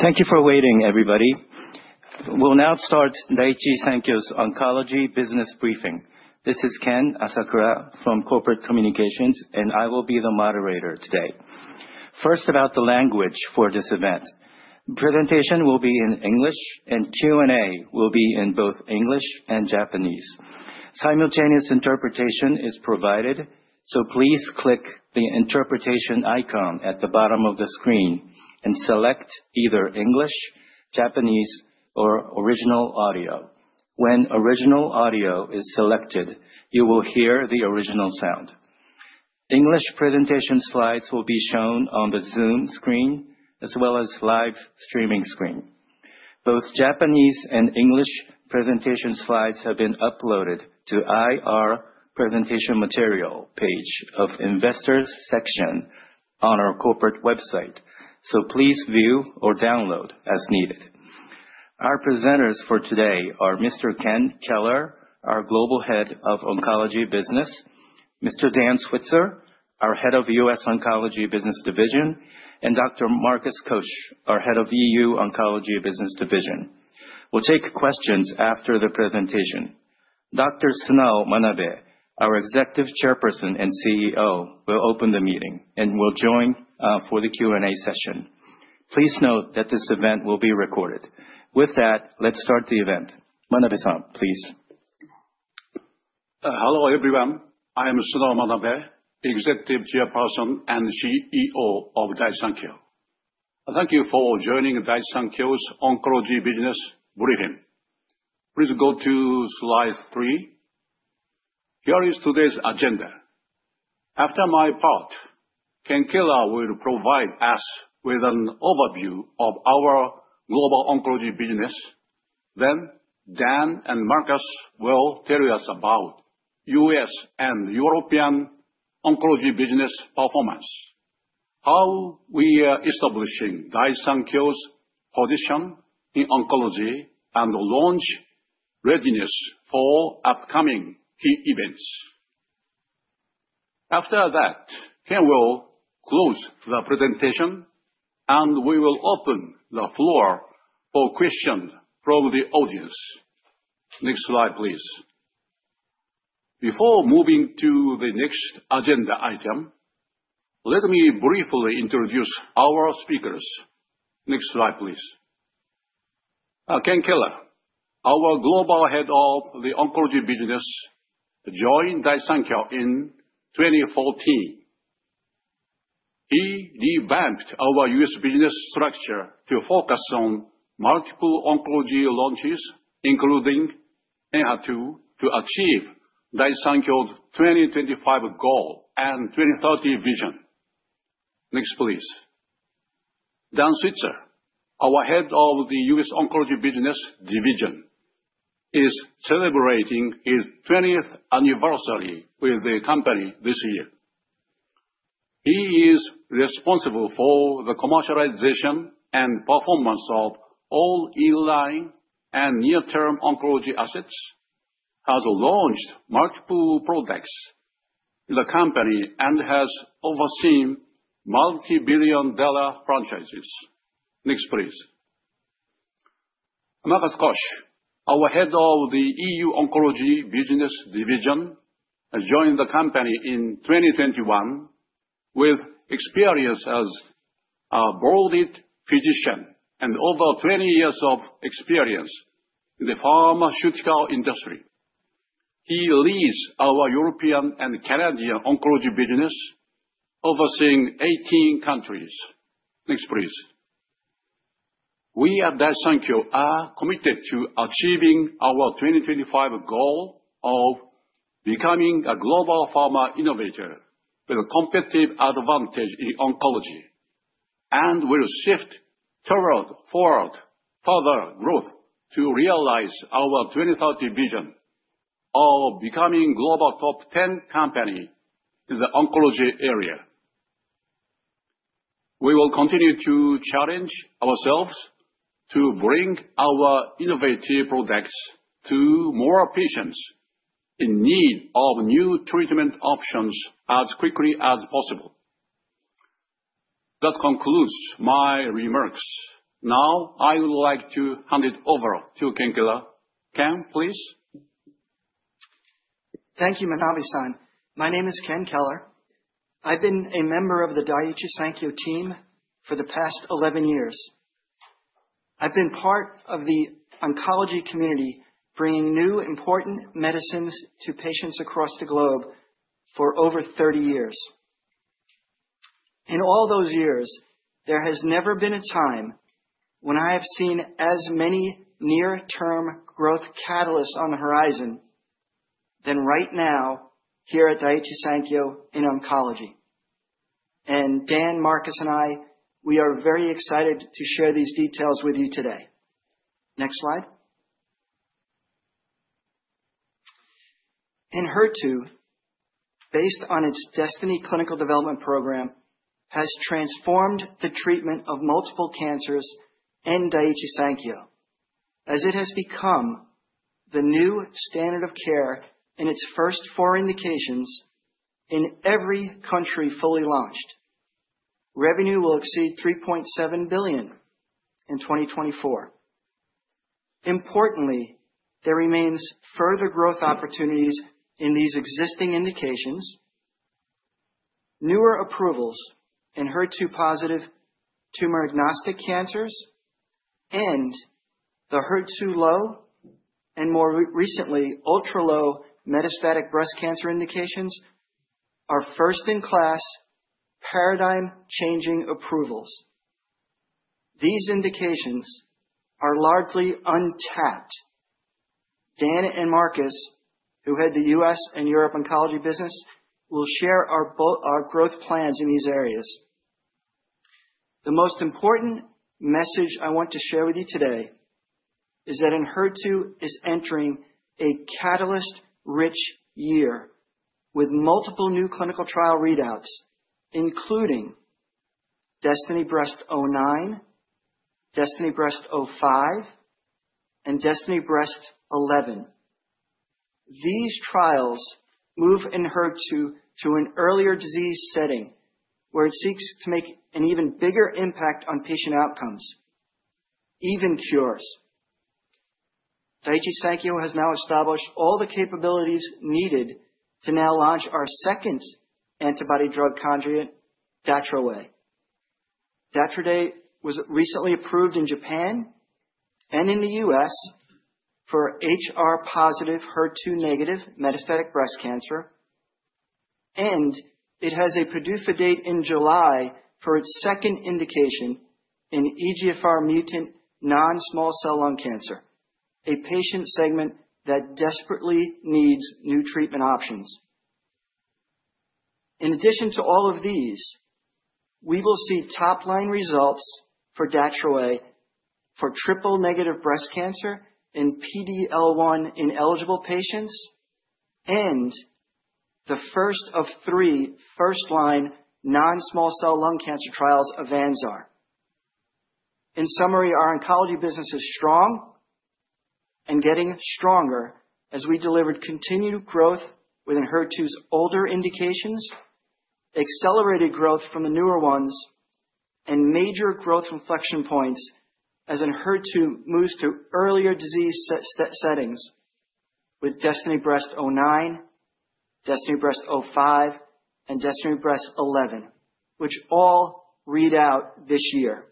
Thank you for waiting, everybody. We'll now start Daiichi Sankyo's Oncology Business Briefing. This is Ken Asakura from Corporate Communications, and I will be the moderator today. First, about the language for this event: the presentation will be in English, and Q&A will be in both English and Japanese. Simultaneous interpretation is provided, so please click the interpretation icon at the bottom of the screen and select either English, Japanese, or original audio. When original audio is selected, you will hear the original sound. English presentation slides will be shown on the Zoom screen as well as live streaming screen. Both Japanese and English presentation slides have been uploaded to the IR Presentation Material page of the Investors section on our corporate website, so please view or download as needed. Our presenters for today are Mr. Ken Keller, our Global Head of Oncology Business; Mr. Dan Switzer, our Head of U.S. Oncology Business Division, and Dr. Markus Kosch, our Head of EU Oncology Business Division. We'll take questions after the presentation. Dr. Sunao Manabe, our Executive Chairperson and CEO, will open the meeting and will join for the Q&A session. Please note that this event will be recorded. With that, let's start the event. Manabe-san, please. Hello, everyone. I am Sunao Manabe, Executive Chairperson and CEO of Daiichi Sankyo. Thank you for joining Daiichi Sankyo's Oncology Business Briefing. Please go to slide 3. Here is today's agenda. After my part, Ken Keller will provide us with an overview of our global oncology business. Then, Dan and Markus will tell us about U.S. and European oncology business performance, how we are establishing Daiichi Sankyo's position in oncology, and launch readiness for upcoming key events. After that, Ken will close the presentation, and we will open the floor for questions from the audience. Next slide, please. Before moving to the next agenda item, let me briefly introduce our speakers. Next slide, please. Ken Keller, our Global Head of the Oncology Business, joined Daiichi Sankyo in 2014. He revamped our U.S. Business structure to focus on multiple oncology launches, including Enhertu, to achieve Daiichi Sankyo's 2025 goal and 2030 vision. Next, please. Dan Switzer, our Head of the U.S. Oncology Business Division, is celebrating his 20th anniversary with the company this year. He is responsible for the commercialization and performance of all inline and near-term oncology assets, has launched multiple products in the company, and has overseen multi-billion-dollar franchises. Next, please. Markus Kosch, our Head of the EU Oncology Business Division, joined the company in 2021 with experience as a board-certified physician and over 20 years of experience in the pharmaceutical industry. He leads our European and Canadian oncology business, overseeing 18 countries. Next, please. We at Daiichi Sankyo are committed to achieving our 2025 goal of becoming a global pharma innovator with a competitive advantage in oncology, and we will shift toward further growth to realize our 2030 vision of becoming a global top 10 company in the oncology area. We will continue to challenge ourselves to bring our innovative products to more patients in need of new treatment options as quickly as possible. That concludes my remarks. Now, I would like to hand it over to Ken Keller. Ken, please. Thank you, Manabe-san. My name is Ken Keller. I've been a member of the Daiichi Sankyo team for the past 11 years. I've been part of the oncology community bringing new, important medicines to patients across the globe for over 30 years. In all those years, there has never been a time when I have seen as many near-term growth catalysts on the horizon than right now here at Daiichi Sankyo in oncology. And Dan, Marcus, and I, we are very excited to share these details with you today. Next slide. Enhertu, based on its DESTINY Clinical Development Program, has transformed the treatment of multiple cancers in Daiichi Sankyo, as it has become the new standard of care in its first four indications in every country fully launched. Revenue will exceed $3.7 billion in 2024. Importantly, there remains further growth opportunities in these existing indications. Newer approvals in HER2-positive tumor-agnostic cancers and the HER2-low and, more recently, ultra-low metastatic breast cancer indications are first-in-class paradigm-changing approvals. These indications are largely untapped. Dan and Markus, who head the U.S. and Europe Oncology Business, will share our growth plans in these areas. The most important message I want to share with you today is that HER2 is entering a catalyst-rich year with multiple new clinical trial readouts, including DESTINY-Breast09, DESTINY-Breast05, and DESTINY-Breast11. These trials move Enhertu to an earlier disease setting where it seeks to make an even bigger impact on patient outcomes, even cures. Daiichi Sankyo has now established all the capabilities needed to now launch our second antibody drug conjugate, Datroway. Dato-DXd was recently approved in Japan and in the U.S. for HR-positive, HER2-negative metastatic breast cancer, and it has a PDUFA date in July for its second indication in EGFR-mutant non-small cell lung cancer, a patient segment that desperately needs new treatment options. In addition to all of these, we will see top-line results for Datroway for triple-negative breast cancer in PD-L1 ineligible patients and the first of three first-line non-small cell lung cancer trials of AVANZAR. In summary, our oncology business is strong and getting stronger as we delivered continued growth within HER2's older indications, accelerated growth from the newer ones, and major growth inflection points as HER2 moves to earlier disease settings with DESTINY-Breast09, DESTINY-Breast05, and DESTINY-Breast11, which all readout this year.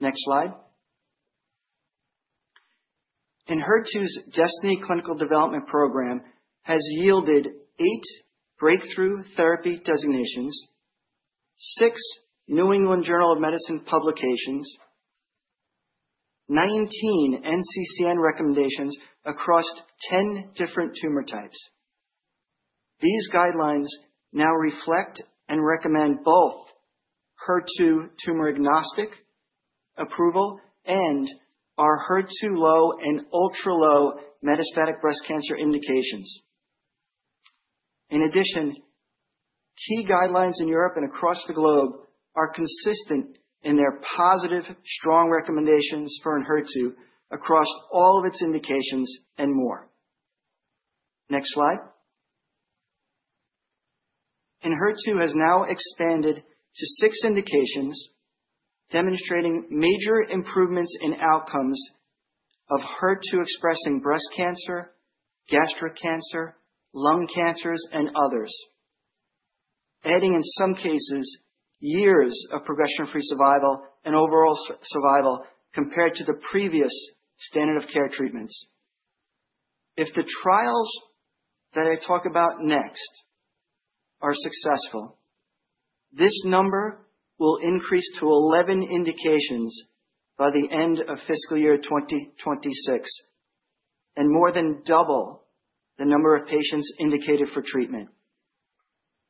Next slide. In HER2's DESTINY Clinical Development Program has yielded eight breakthrough therapy designations, six New England Journal of Medicine publications, and 19 NCCN recommendations across 10 different tumor types. These guidelines now reflect and recommend both HER2 tumor-agnostic approval and our HER2-low and ultra-low metastatic breast cancer indications. In addition, key guidelines in Europe and across the globe are consistent in their positive, strong recommendations for HER2 across all of its indications and more. Next slide. Enhertu has now expanded to six indications, demonstrating major improvements in outcomes of HER2-expressing breast cancer, gastric cancer, lung cancers, and others, adding, in some cases, years of progression-free survival and overall survival compared to the previous standard of care treatments. If the trials that I talk about next are successful, this number will increase to 11 indications by the end of fiscal year 2026 and more than double the number of patients indicated for treatment.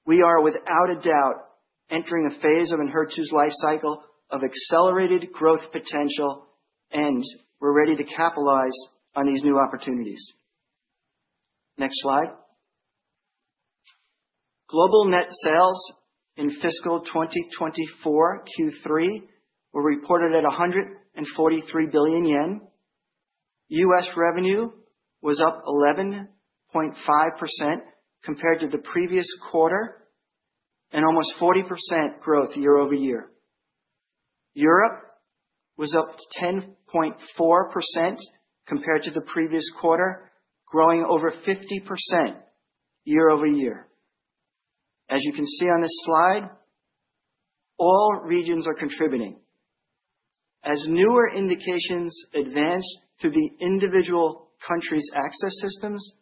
We are, without a doubt, entering a phase of HER2's life cycle of accelerated growth potential, and we're ready to capitalize on these new opportunities. Next slide. Global net sales in fiscal 2024 Q3 were reported at 143 billion yen. U.S. revenue was up 11.5% compared to the previous quarter and almost 40% growth year-over-year. Europe was up 10.4% compared to the previous quarter, growing over 50% year-over-year. As you can see on this slide, all regions are contributing. As newer indications advance through the individual countries' access systems,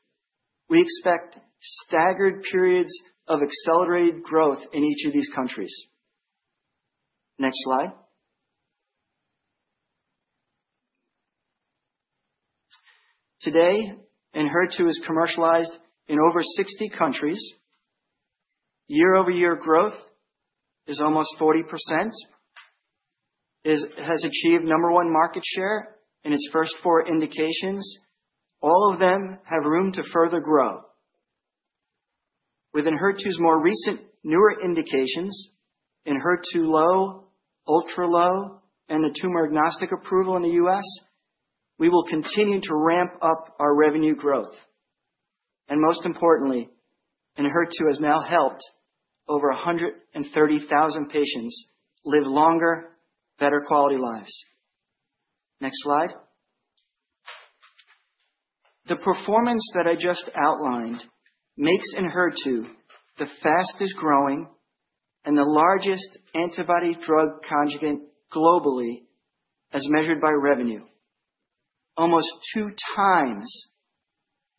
we expect staggered periods of accelerated growth in each of these countries. Next slide. Today, HER2 is commercialized in over 60 countries. Year-over-year growth is almost 40%. It has achieved number one market share in its first four indications. All of them have room to further grow. Within HER2's more recent newer indications in HER2-low, ultra-low, and the tumor-agnostic approval in the U.S., we will continue to ramp up our revenue growth. Most importantly, Enhertu has now helped over 130,000 patients live longer, better quality lives. Next slide. The performance that I just outlined makes Enhertu the fastest growing and the largest antibody drug conjugate globally as measured by revenue, almost two times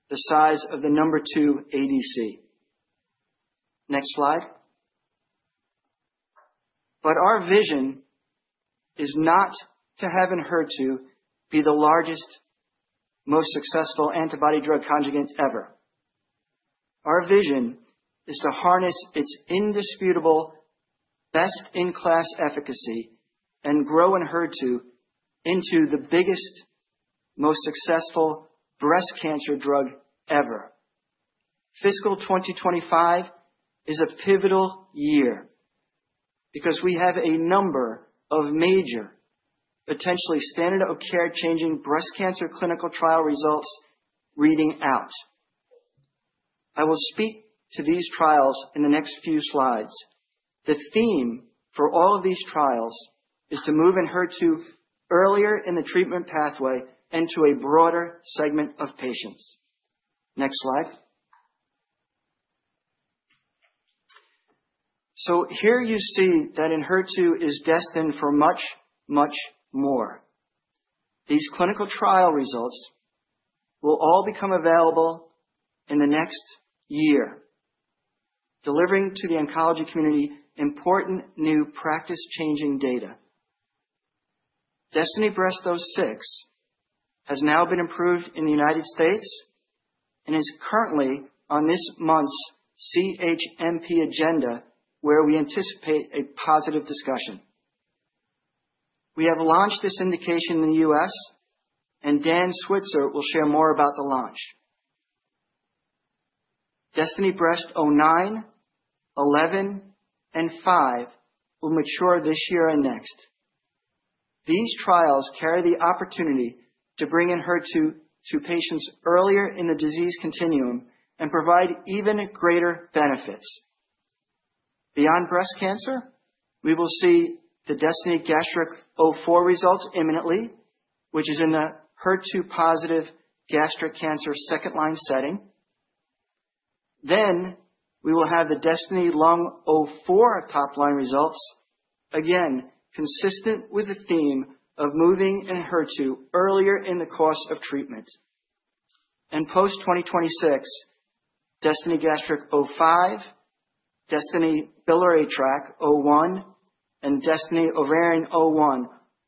the size of the number two ADC. Next slide. Our vision is not to have Enhertu be the largest, most successful antibody drug conjugate ever. Our vision is to harness its indisputable best-in-class efficacy and grow Enhertu into the biggest, most successful breast cancer drug ever. Fiscal 2025 is a pivotal year because we have a number of major potentially standard-of-care changing breast cancer clinical trial results reading out. I will speak to these trials in the next few slides. The theme for all of these trials is to move Enhertu earlier in the treatment pathway and to a broader segment of patients. Next slide. Here you see that HER2 is destined for much, much more. These clinical trial results will all become available in the next year, delivering to the oncology community important new practice-changing data. DESTINY-Breast06 has now been approved in the United States and is currently on this month's CHMP agenda, where we anticipate a positive discussion. We have launched this indication in the U.S., and Dan Switzer will share more about the launch. DESTINY-Breast09, DESTINY-Breast11, and DESTINY-Breast05 will mature this year and next. These trials carry the opportunity to bring in HER2 to patients earlier in the disease continuum and provide even greater benefits. Beyond breast cancer, we will see the DESTINY-Gastric04 results imminently, which is in the HER2-positive gastric cancer second-line setting. We will have the DESTINY-Lung04 top-line results, again consistent with the theme of moving Enhertu earlier in the course of treatment. Post-2026, DESTINY-Gastric05, DESTINY-Biliary01, and DESTINY-Ovarian01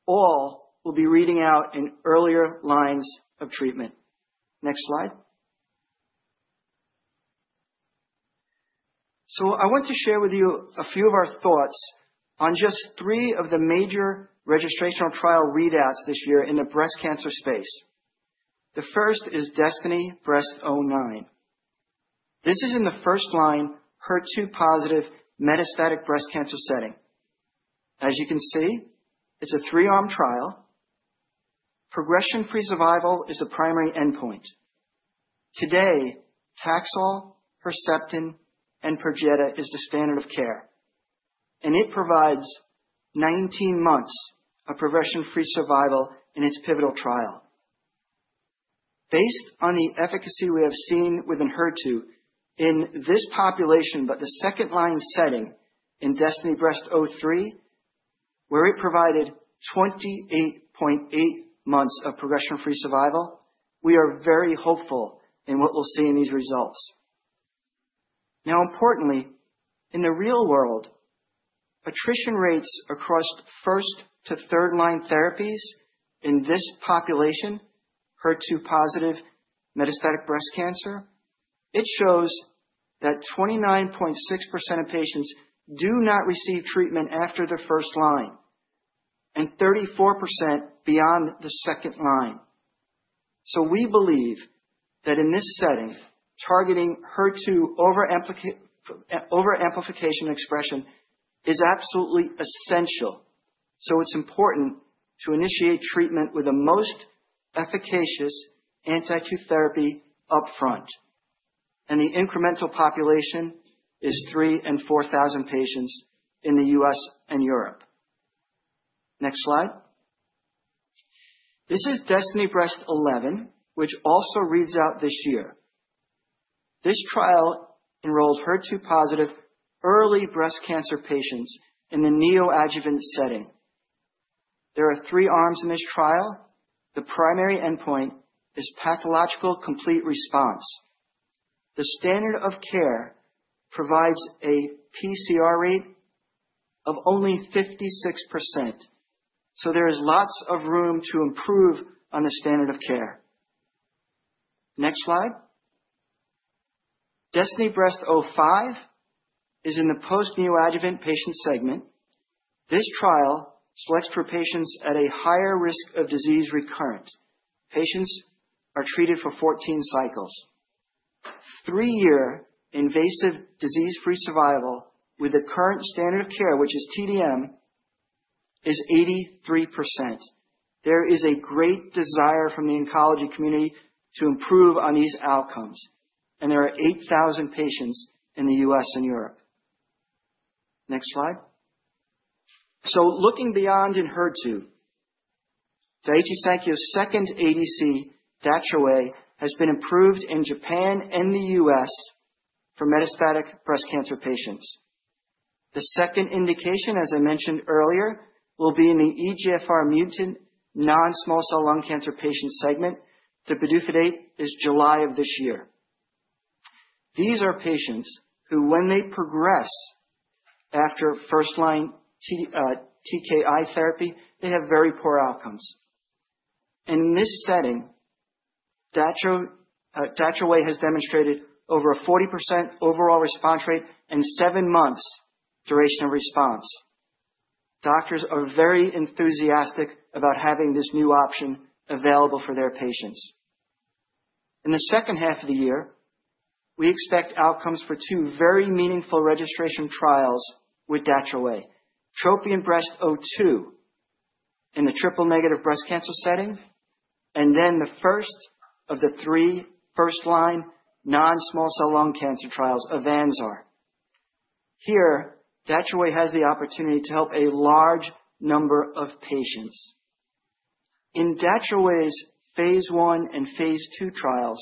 all will be reading out in earlier lines of treatment. Next slide. I want to share with you a few of our thoughts on just three of the major registrational trial readouts this year in the breast cancer space. The first is DESTINY-Breast09. This is in the first-line HER2-positive metastatic breast cancer setting. As you can see, it's a three-arm trial. Progression-free survival is the primary endpoint. Today, Taxol, Herceptin, and Perjeta is the standard of care, and it provides 19 months of progression-free survival in its pivotal trial. Based on the efficacy we have seen within HER2 in this population in the second-line setting in DESTINY-Breast03, where it provided 28.8 months of progression-free survival, we are very hopeful in what we'll see in these results. Now, importantly, in the real world, attrition rates across first to third-line therapies in this population, HER2-positive metastatic breast cancer, it shows that 29.6% of patients do not receive treatment after the first line and 34% beyond the second line. So we believe that in this setting, targeting HER2 overexpression is absolutely essential. So it's important to initiate treatment with the most efficacious anti-HER2 therapy upfront, and the incremental population is 3,000-4,000 patients in the U.S. and Europe. Next slide. This is DESTINY-Breast11, which also reads out this year. This trial enrolled HER2-positive early breast cancer patients in the neoadjuvant setting. There are three arms in this trial. The primary endpoint is pathological complete response. The standard of care provides a PCR rate of only 56%. So there is lots of room to improve on the standard of care. Next slide. DESTINY-Breast05 is in the post-neoadjuvant patient segment. This trial selects for patients at a higher risk of disease recurrence. Patients are treated for 14 cycles. 3-year invasive disease-free survival with the current standard of care, which is T-DM1, is 83%. There is a great desire from the oncology community to improve on these outcomes, and there are 8,000 patients in the U.S. and Europe. Next slide. So looking beyond Enhertu, Daiichi Sankyo's second ADC, Datopotamab deruxtecan, has been approved in Japan and the U.S. for metastatic breast cancer patients. The second indication, as I mentioned earlier, will be in the EGFR-mutant non-small cell lung cancer patient segment. The PDUFA date is July of this year. These are patients who, when they progress after first-line TKI therapy, they have very poor outcomes. And in this setting, Datopotamab deruxtecan has demonstrated over a 40% overall response rate and seven months' duration of response. Doctors are very enthusiastic about having this new option available for their patients. In the second half of the year, we expect outcomes for two very meaningful registration trials with Datopotamab deruxtecan: TROPION-Breast02 in the triple-negative breast cancer setting, and then the first of the three first-line non-small cell lung cancer trials, AVANZAR. Here, Datopotamab deruxtecan has the opportunity to help a large number of patients. In Datopotamab deruxtecan's phase one and phase two trials,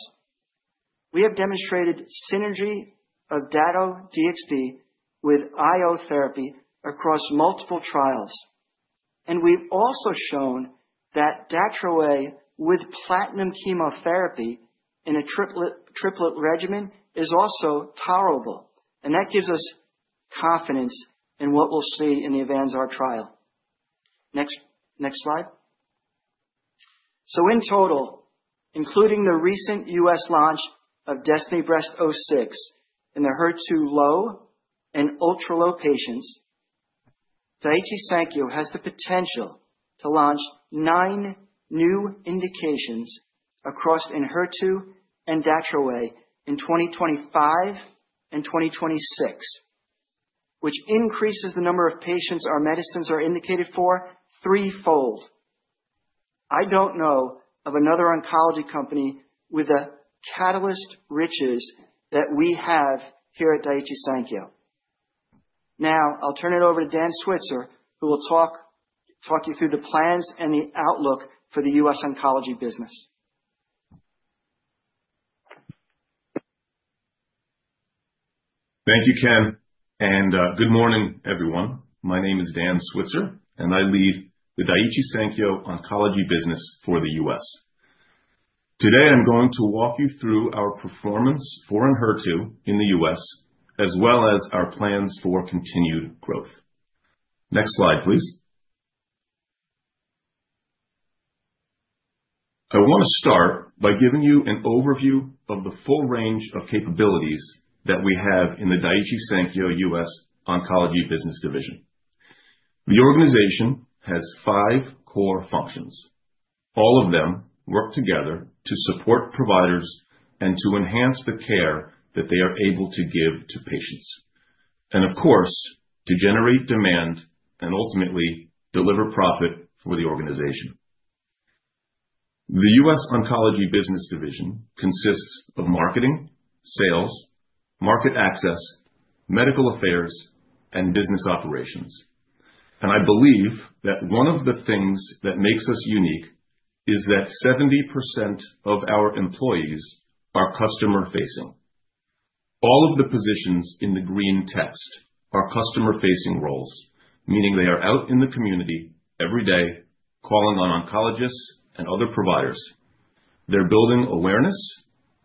we have demonstrated synergy of Dato-DXd with IO therapy across multiple trials. And we've also shown that Datopotamab deruxtecan with platinum chemotherapy in a triplet regimen is also tolerable. That gives us confidence in what we'll see in the AVANZAR trial. Next slide. In total, including the recent U.S. launch of DESTINY-Breast06 in the HER2-low and ultra-low patients, Daiichi Sankyo has the potential to launch nine new indications across HER2 and Datroway in 2025 and 2026, which increases the number of patients our medicines are indicated for threefold. I don't know of another oncology company with the catalyst riches that we have here at Daiichi Sankyo. Now, I'll turn it over to Dan Switzer, who will talk you through the plans and the outlook for the U.S. oncology business. Thank you, Ken. Good morning, everyone. My name is Dan Switzer, and I lead the Daiichi Sankyo oncology business for the U.S. Today, I'm going to walk you through our performance for HER2 in the U.S., as well as our plans for continued growth. Next slide, please. I want to start by giving you an overview of the full range of capabilities that we have in the Daiichi Sankyo U.S. oncology business division. The organization has five core functions. All of them work together to support providers and to enhance the care that they are able to give to patients, and of course, to generate demand and ultimately deliver profit for the organization. The U.S. oncology business division consists of marketing, sales, market access, medical affairs, and business operations. And I believe that one of the things that makes us unique is that 70% of our employees are customer-facing. All of the positions in the green text are customer-facing roles, meaning they are out in the community every day calling on oncologists and other providers. They're building awareness,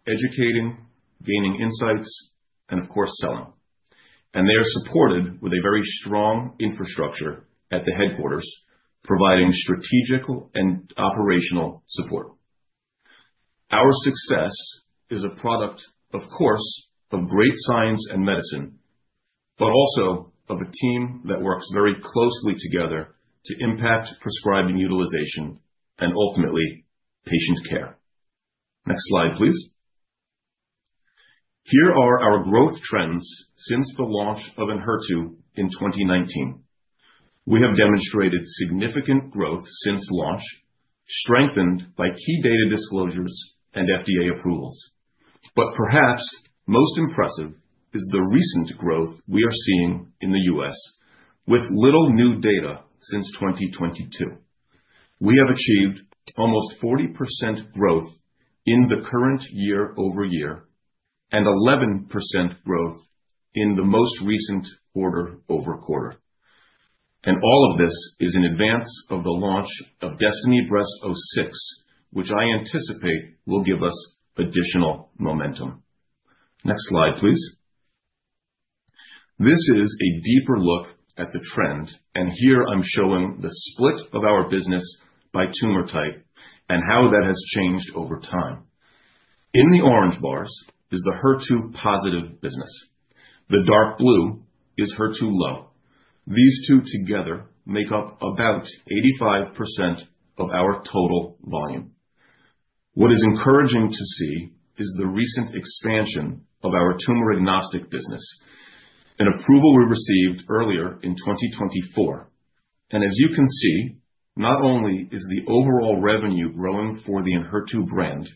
educating, gaining insights, and of course, selling. They are supported with a very strong infrastructure at the headquarters, providing strategic and operational support. Our success is a product, of course, of great science and medicine, but also of a team that works very closely together to impact prescribing utilization and ultimately patient care. Next slide, please. Here are our growth trends since the launch of Enhertu in 2019. We have demonstrated significant growth since launch, strengthened by key data disclosures and FDA approvals. But perhaps most impressive is the recent growth we are seeing in the U.S., with little new data since 2022. We have achieved almost 40% growth in the current year-over-year and 11% growth in the most recent quarter over quarter. All of this is in advance of the launch of DESTINY-Breast06, which I anticipate will give us additional momentum. Next slide, please. This is a deeper look at the trend. And here I'm showing the split of our business by tumor type and how that has changed over time. In the orange bars is the HER2-positive business. The dark blue is HER2-low. These two together make up about 85% of our total volume. What is encouraging to see is the recent expansion of our tumor-agnostic business, an approval we received earlier in 2024. And as you can see, not only is the overall revenue growing for the HER2 brand,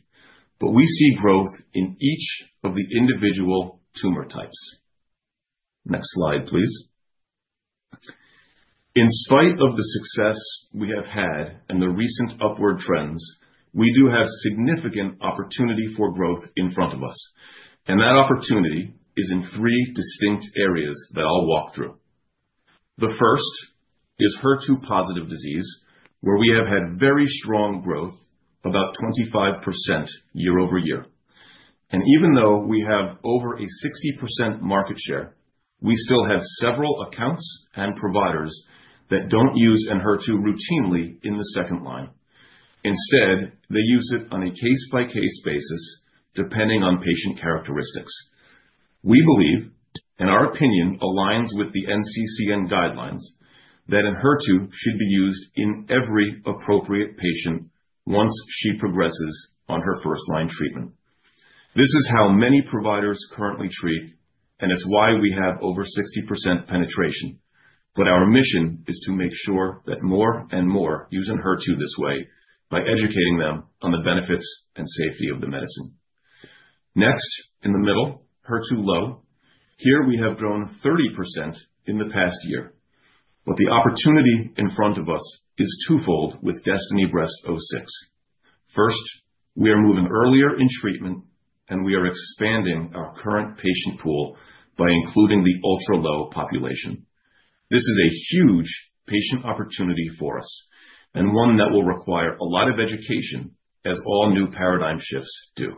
but we see growth in each of the individual tumor types. Next slide, please. In spite of the success we have had and the recent upward trends, we do have significant opportunity for growth in front of us. And that opportunity is in three distinct areas that I'll walk through. The first is HER2-positive disease, where we have had very strong growth, about 25% year-over-year. And even though we have over a 60% market share, we still have several accounts and providers that don't use HER2 routinely in the second line. Instead, they use it on a case-by-case basis, depending on patient characteristics. We believe, and our opinion aligns with the NCCN guidelines, that HER2 should be used in every appropriate patient once she progresses on her first-line treatment. This is how many providers currently treat, and it's why we have over 60% penetration. But our mission is to make sure that more and more use HER2 this way by educating them on the benefits and safety of the medicine. Next, in the middle, HER2-low. Here we have grown 30% in the past year. But the opportunity in front of us is twofold with DESTINY-Breast06. First, we are moving earlier in treatment, and we are expanding our current patient pool by including the ultra-low population. This is a huge patient opportunity for us and one that will require a lot of education, as all new paradigm shifts do.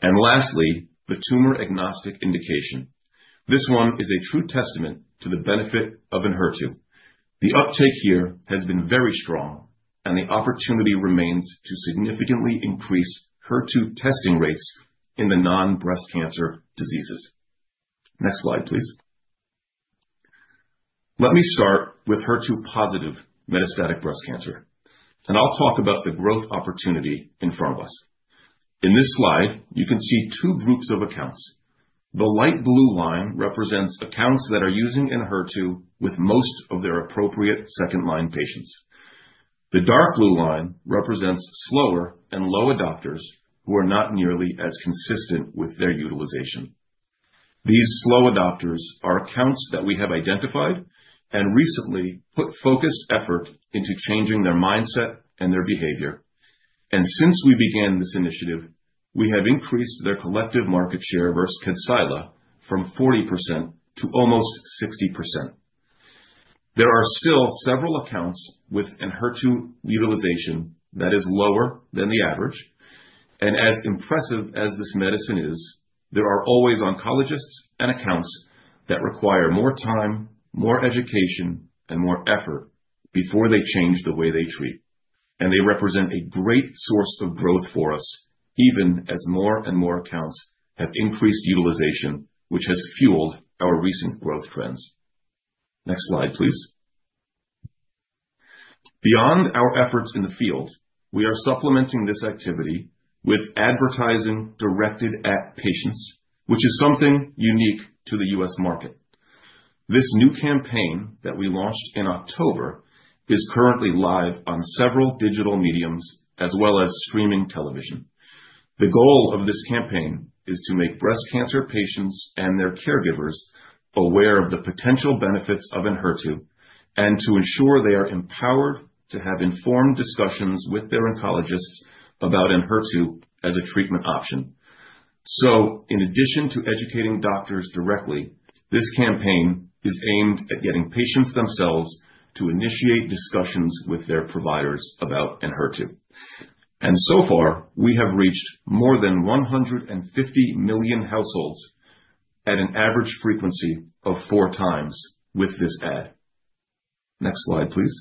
And lastly, the tumor-agnostic indication. This one is a true testament to the benefit of HER2. The uptake here has been very strong, and the opportunity remains to significantly increase HER2 testing rates in the non-breast cancer diseases. Next slide, please. Let me start with HER2-positive metastatic breast cancer, and I'll talk about the growth opportunity in front of us. In this slide, you can see two groups of accounts. The light blue line represents accounts that are using HER2 with most of their appropriate second-line patients. The dark blue line represents slower and low adopters who are not nearly as consistent with their utilization. These slow adopters are accounts that we have identified and recently put focused effort into changing their mindset and their behavior. And since we began this initiative, we have increased their collective market share versus Kadcyla from 40% to almost 60%. There are still several accounts with HER2 utilization that is lower than the average. And as impressive as this medicine is, there are always oncologists and accounts that require more time, more education, and more effort before they change the way they treat. And they represent a great source of growth for us, even as more and more accounts have increased utilization, which has fueled our recent growth trends. Next slide, please. Beyond our efforts in the field, we are supplementing this activity with advertising directed at patients, which is something unique to the U.S. market. This new campaign that we launched in October is currently live on several digital mediums as well as streaming television. The goal of this campaign is to make breast cancer patients and their caregivers aware of the potential benefits of HER2 and to ensure they are empowered to have informed discussions with their oncologists about HER2 as a treatment option. So in addition to educating doctors directly, this campaign is aimed at getting patients themselves to initiate discussions with their providers about HER2. And so far, we have reached more than 150 million households at an average frequency of four times with this ad. Next slide, please.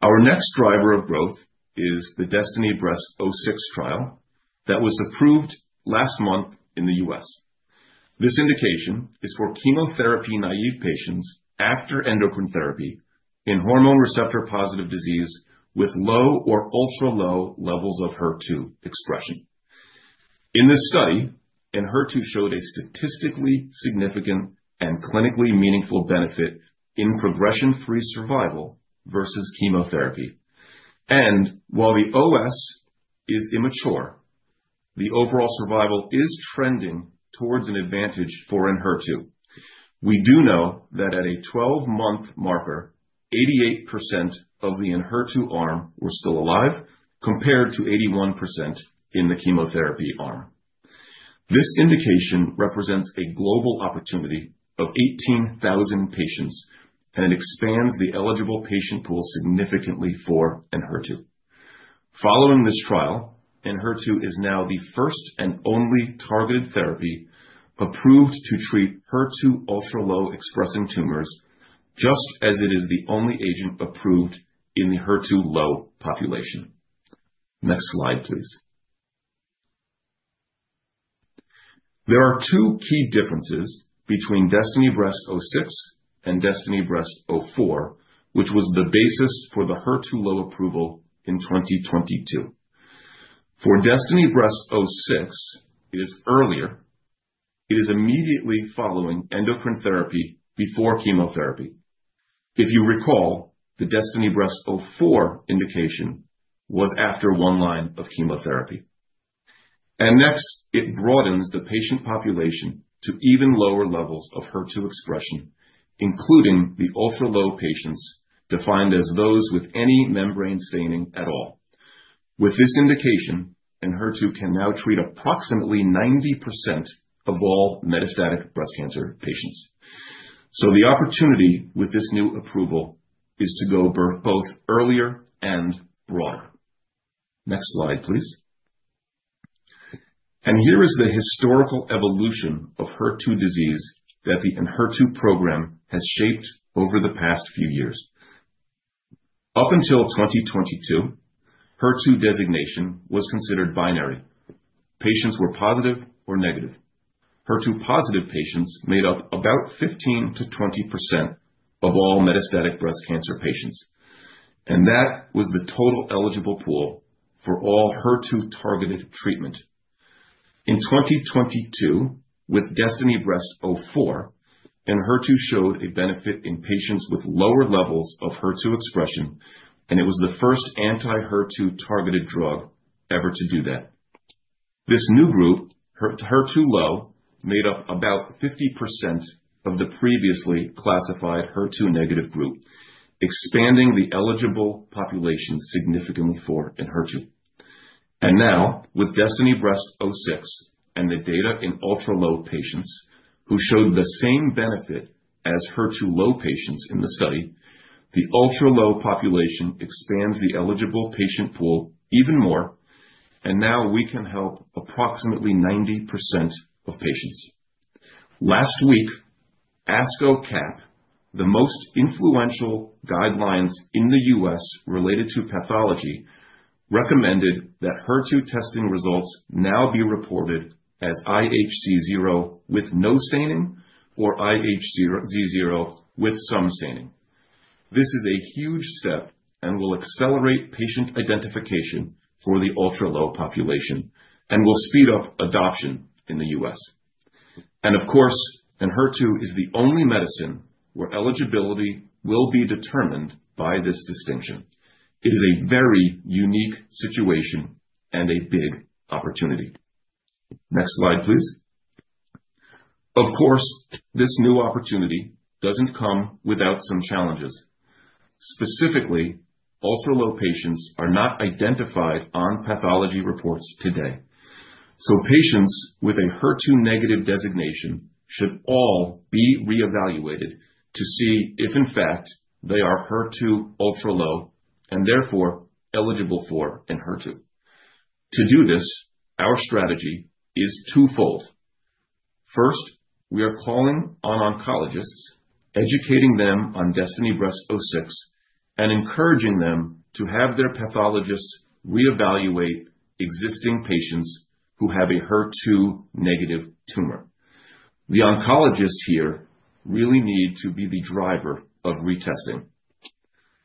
Our next driver of growth is the DESTINY-Breast06 trial that was approved last month in the U.S. This indication is for chemotherapy naive patients after endocrine therapy in hormone receptor positive disease with low or ultra-low levels of HER2 expression. In this study, Enhertu showed a statistically significant and clinically meaningful benefit in progression-free survival versus chemotherapy, and while the OS is immature, the overall survival is trending towards an advantage for Enhertu. We do know that at a 12-month marker, 88% of the Enhertu arm were still alive compared to 81% in the chemotherapy arm. This indication represents a global opportunity of 18,000 patients, and it expands the eligible patient pool significantly for Enhertu. Following this trial, Enhertu is now the first and only targeted therapy approved to treat HER2 ultra-low expressing tumors, just as it is the only agent approved in the HER2-low population. Next slide, please. There are two key differences between DESTINY-Breast06 and DESTINY-Breast04, which was the basis for the HER2-low approval in 2022. For DESTINY-Breast06, it is earlier. It is immediately following endocrine therapy before chemotherapy. If you recall, the DESTINY-Breast04 indication was after one line of chemotherapy, and next, it broadens the patient population to even lower levels of HER2 expression, including the ultra-low patients defined as those with any membrane staining at all. With this indication, HER2 can now treat approximately 90% of all metastatic breast cancer patients, so the opportunity with this new approval is to go both earlier and broader. Next slide, please. And here is the historical evolution of HER2 disease that the HER2 program has shaped over the past few years. Up until 2022, HER2 designation was considered binary. Patients were positive or negative. HER2-positive patients made up about 15%-20% of all metastatic breast cancer patients, and that was the total eligible pool for all HER2-targeted treatment. In 2022, with DESTINY-Breast04, Enhertu showed a benefit in patients with lower levels of HER2 expression, and it was the first anti-HER2 targeted drug ever to do that. This new group, HER2-low, made up about 50% of the previously classified HER2-negative group, expanding the eligible population significantly for Enhertu, and now, with DESTINY-Breast06 and the data in ultra-low patients who showed the same benefit as HER2-low patients in the study, the ultra-low population expands the eligible patient pool even more, and now we can help approximately 90% of patients. Last week, ASCO-CAP, the most influential guidelines in the U.S. related to pathology, recommended that HER2 testing results now be reported as IHC 0 with no staining or IHC 0 with some staining. This is a huge step and will accelerate patient identification for the ultra-low population and will speed up adoption in the U.S. Of course, Enhertu is the only medicine where eligibility will be determined by this distinction. It is a very unique situation and a big opportunity. Next slide, please. Of course, this new opportunity doesn't come without some challenges. Specifically, ultra-low patients are not identified on pathology reports today. So patients with a HER2-negative designation should all be reevaluated to see if, in fact, they are HER2-ultra-low and therefore eligible for Enhertu. To do this, our strategy is twofold. First, we are calling on oncologists, educating them on DESTINY-Breast06, and encouraging them to have their pathologists reevaluate existing patients who have a HER2-negative tumor. The oncologists here really need to be the driver of retesting.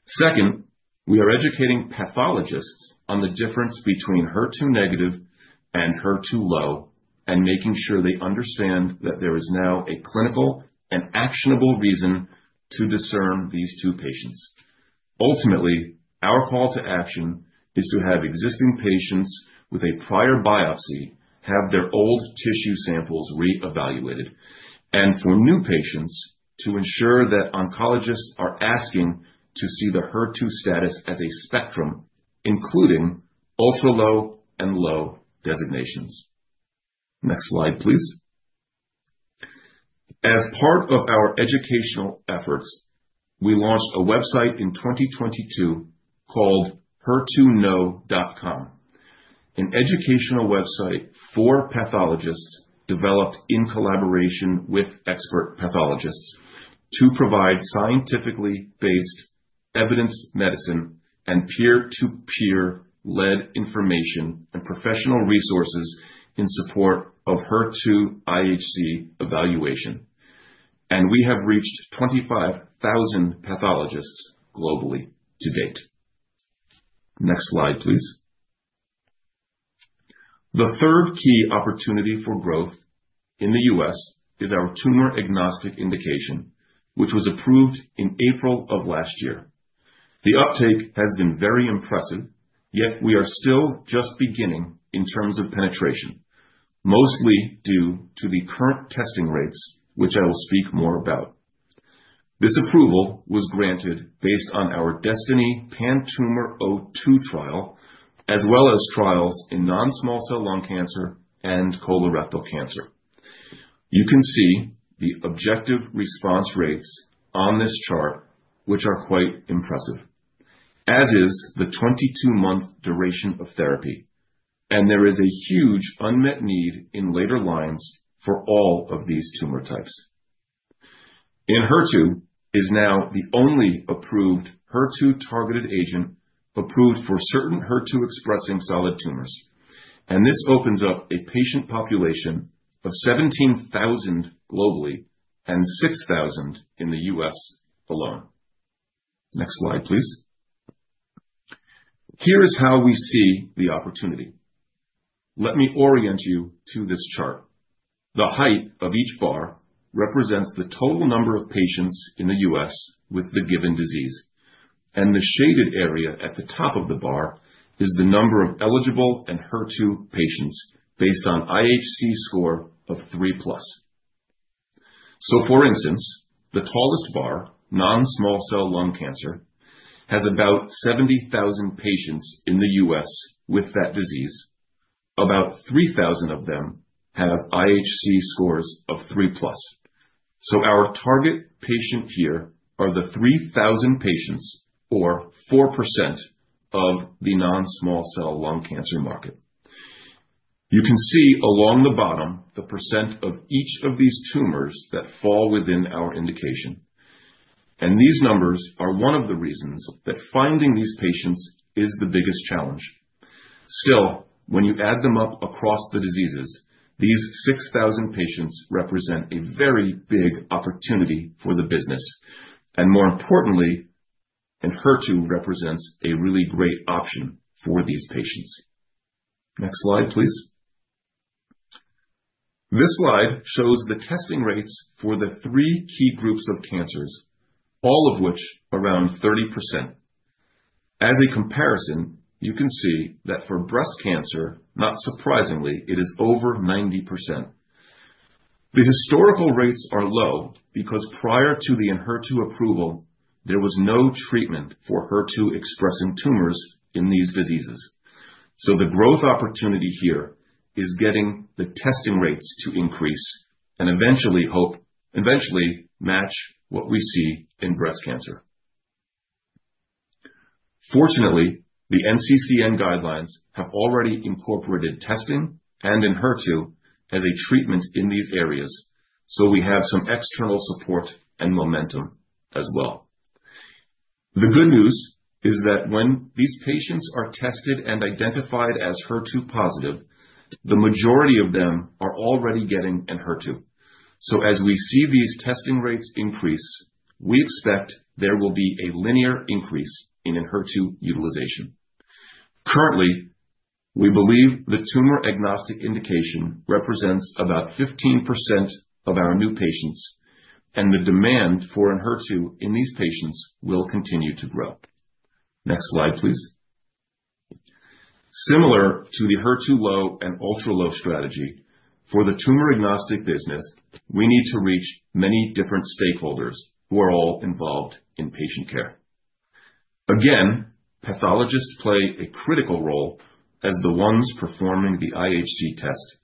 Second, we are educating pathologists on the difference between HER2-negative and HER2-low and making sure they understand that there is now a clinical and actionable reason to discern these two patients. Ultimately, our call to action is to have existing patients with a prior biopsy have their old tissue samples reevaluated and for new patients to ensure that oncologists are asking to see the HER2 status as a spectrum, including ultra-low and low designations. Next slide, please. As part of our educational efforts, we launched a website in 2022 called HER2Know.com, an educational website for pathologists developed in collaboration with expert pathologists to provide scientifically based evidence medicine and peer-to-peer-led information and professional resources in support of HER2-IHC evaluation. And we have reached 25,000 pathologists globally to date. Next slide, please. The third key opportunity for growth in the U.S. is our tumor-agnostic indication, which was approved in April of last year. The uptake has been very impressive, yet we are still just beginning in terms of penetration, mostly due to the current testing rates, which I will speak more about. This approval was granted based on our DESTINY-PanTumor02 trial, as well as trials in non-small cell lung cancer and colorectal cancer. You can see the objective response rates on this chart, which are quite impressive, as is the 22-month duration of therapy, and there is a huge unmet need in later lines for all of these tumor types. Enhertu is now the only approved HER2-targeted agent approved for certain HER2-expressing solid tumors, and this opens up a patient population of 17,000 globally and 6,000 in the U.S. alone. Next slide, please. Here is how we see the opportunity. Let me orient you to this chart. The height of each bar represents the total number of patients in the U.S. with the given disease, and the shaded area at the top of the bar is the number of eligible HER2 patients based on IHC score of 3+. For instance, the tallest bar, non-small cell lung cancer, has about 70,000 patients in the U.S. with that disease. About 3,000 of them have IHC scores of 3+. Our target patient here are the 3,000 patients, or 4% of the non-small cell lung cancer market. You can see along the bottom the percent of each of these tumors that fall within our indication. These numbers are one of the reasons that finding these patients is the biggest challenge. Still, when you add them up across the diseases, these 6,000 patients represent a very big opportunity for the business. More importantly, HER2 represents a really great option for these patients. Next slide, please. This slide shows the testing rates for the three key groups of cancers, all of which around 30%. As a comparison, you can see that for breast cancer, not surprisingly, it is over 90%. The historical rates are low because prior to the HER2 approval, there was no treatment for HER2-expressing tumors in these diseases. So the growth opportunity here is getting the testing rates to increase and eventually match what we see in breast cancer. Fortunately, the NCCN guidelines have already incorporated testing and HER2 as a treatment in these areas, so we have some external support and momentum as well. The good news is that when these patients are tested and identified as HER2 positive, the majority of them are already getting HER2. So as we see these testing rates increase, we expect there will be a linear increase in HER2 utilization. Currently, we believe the tumor-agnostic indication represents about 15% of our new patients, and the demand for HER2 in these patients will continue to grow. Next slide, please. Similar to the HER2-low and ultra-low strategy, for the tumor-agnostic business, we need to reach many different stakeholders who are all involved in patient care. Again, pathologists play a critical role as the ones performing the IHC test.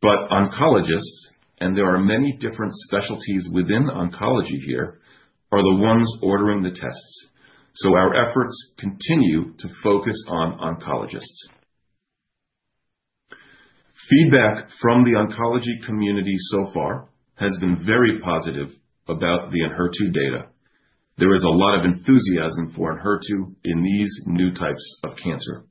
But oncologists, and there are many different specialties within oncology here, are the ones ordering the tests. So our efforts continue to focus on oncologists. Feedback from the oncology community so far has been very positive about the HER2 data. There is a lot of enthusiasm for HER2 in these new types of cancer.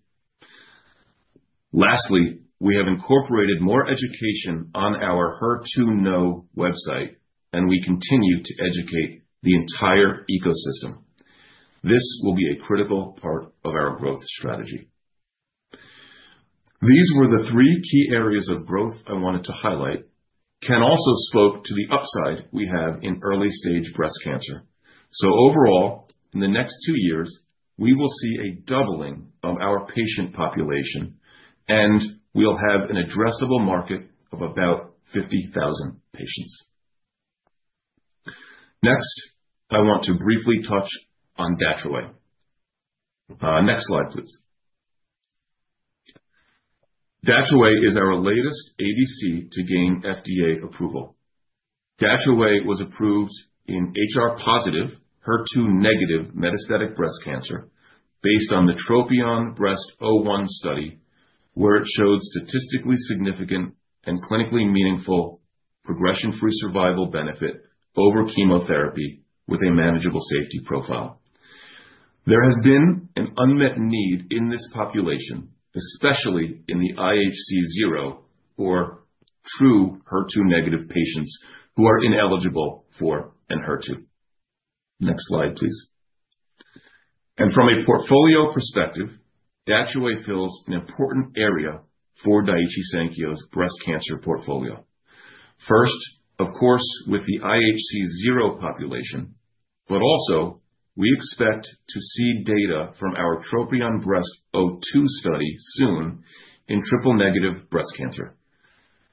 Lastly, we have incorporated more education on our HER2Know website, and we continue to educate the entire ecosystem. This will be a critical part of our growth strategy. These were the three key areas of growth I wanted to highlight. I can also speak to the upside we have in early-stage breast cancer. So overall, in the next two years, we will see a doubling of our patient population, and we'll have an addressable market of about 50,000 patients. Next, I want to briefly touch on Dato-DXd. Next slide, please. Dato-DXd is our latest ADC to gain FDA approval. Dato-DXd was approved in HR-positive, HER2-negative metastatic breast cancer based on the TROPION-Breast01 study, where it showed statistically significant and clinically meaningful progression-free survival benefit over chemotherapy with a manageable safety profile. There has been an unmet need in this population, especially in the IHC 0 or true HER2-negative patients who are ineligible for HER2. Next slide, please. And from a portfolio perspective, Dato-DXd fills an important area for Daiichi Sankyo's breast cancer portfolio. First, of course, with the IHC 0 population, but also we expect to see data from our TROPION-Breast02 study soon in triple-negative breast cancer.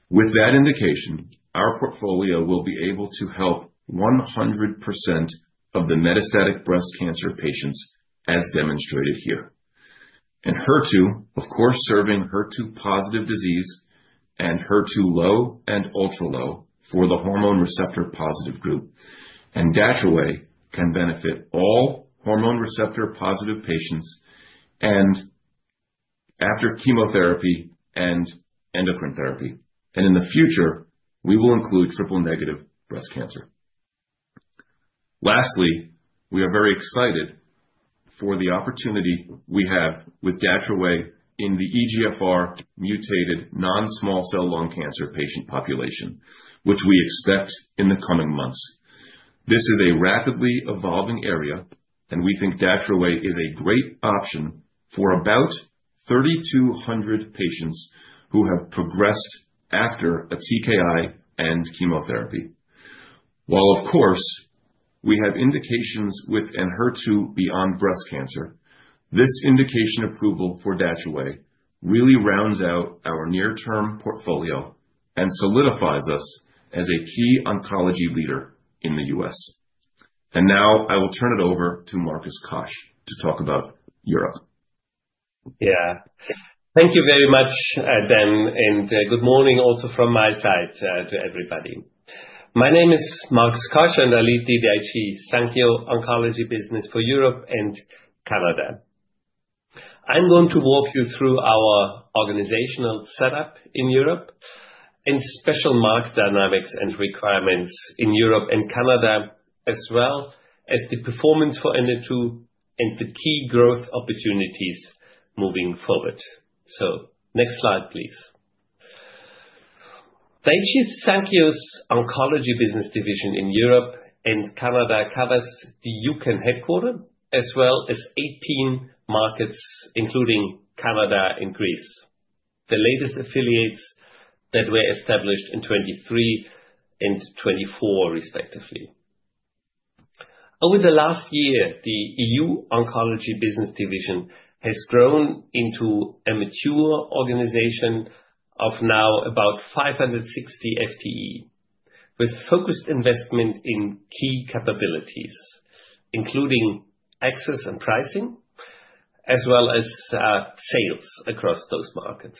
With that indication, our portfolio will be able to help 100% of the metastatic breast cancer patients as demonstrated here. And Enhertu, of course, serving HER2-positive disease and HER2-low and ultra-low for the hormone receptor-positive group. And Dato-DXd can benefit all hormone receptor-positive patients after chemotherapy and endocrine therapy. And in the future, we will include triple-negative breast cancer. Lastly, we are very excited for the opportunity we have with Dato-DXd in the EGFR-mutated non-small cell lung cancer patient population, which we expect in the coming months. This is a rapidly evolving area, and we think Dato-DXd is a great option for about 3,200 patients who have progressed after a TKI and chemotherapy. While, of course, we have indications within HER2 beyond breast cancer, this indication approval for Dato-DXd really rounds out our near-term portfolio and solidifies us as a key oncology leader in the U.S. Now I will turn it over to Markus Kosch to talk about Europe. Yeah. Thank you very much, Dan, and good morning also from my side to everybody. My name is Markus Koch, and I lead the Daiichi Sankyo Oncology Business for Europe and Canada. I'm going to walk you through our organizational setup in Europe and specific market dynamics and requirements in Europe and Canada, as well as the performance for Enhertu and the key growth opportunities moving forward. So next slide, please. Daiichi Sankyo's oncology business division in Europe and Canada covers the European headquarters, as well as 18 markets, including Canada and Greece, the latest affiliates that were established in 2023 and 2024, respectively. Over the last year, the EU Oncology Business Division has grown into a mature organization of now about 560 FTE, with focused investment in key capabilities, including access and pricing, as well as sales across those markets.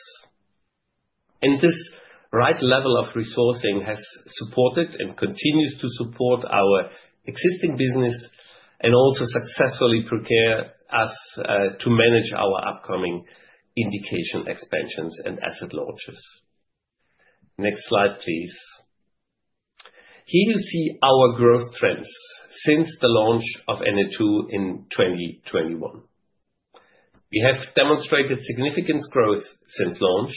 This right level of resourcing has supported and continues to support our existing business and also successfully prepared us to manage our upcoming indication expansions and asset launches. Next slide, please. Here you see our growth trends since the launch of Enhertu in 2021. We have demonstrated significant growth since launch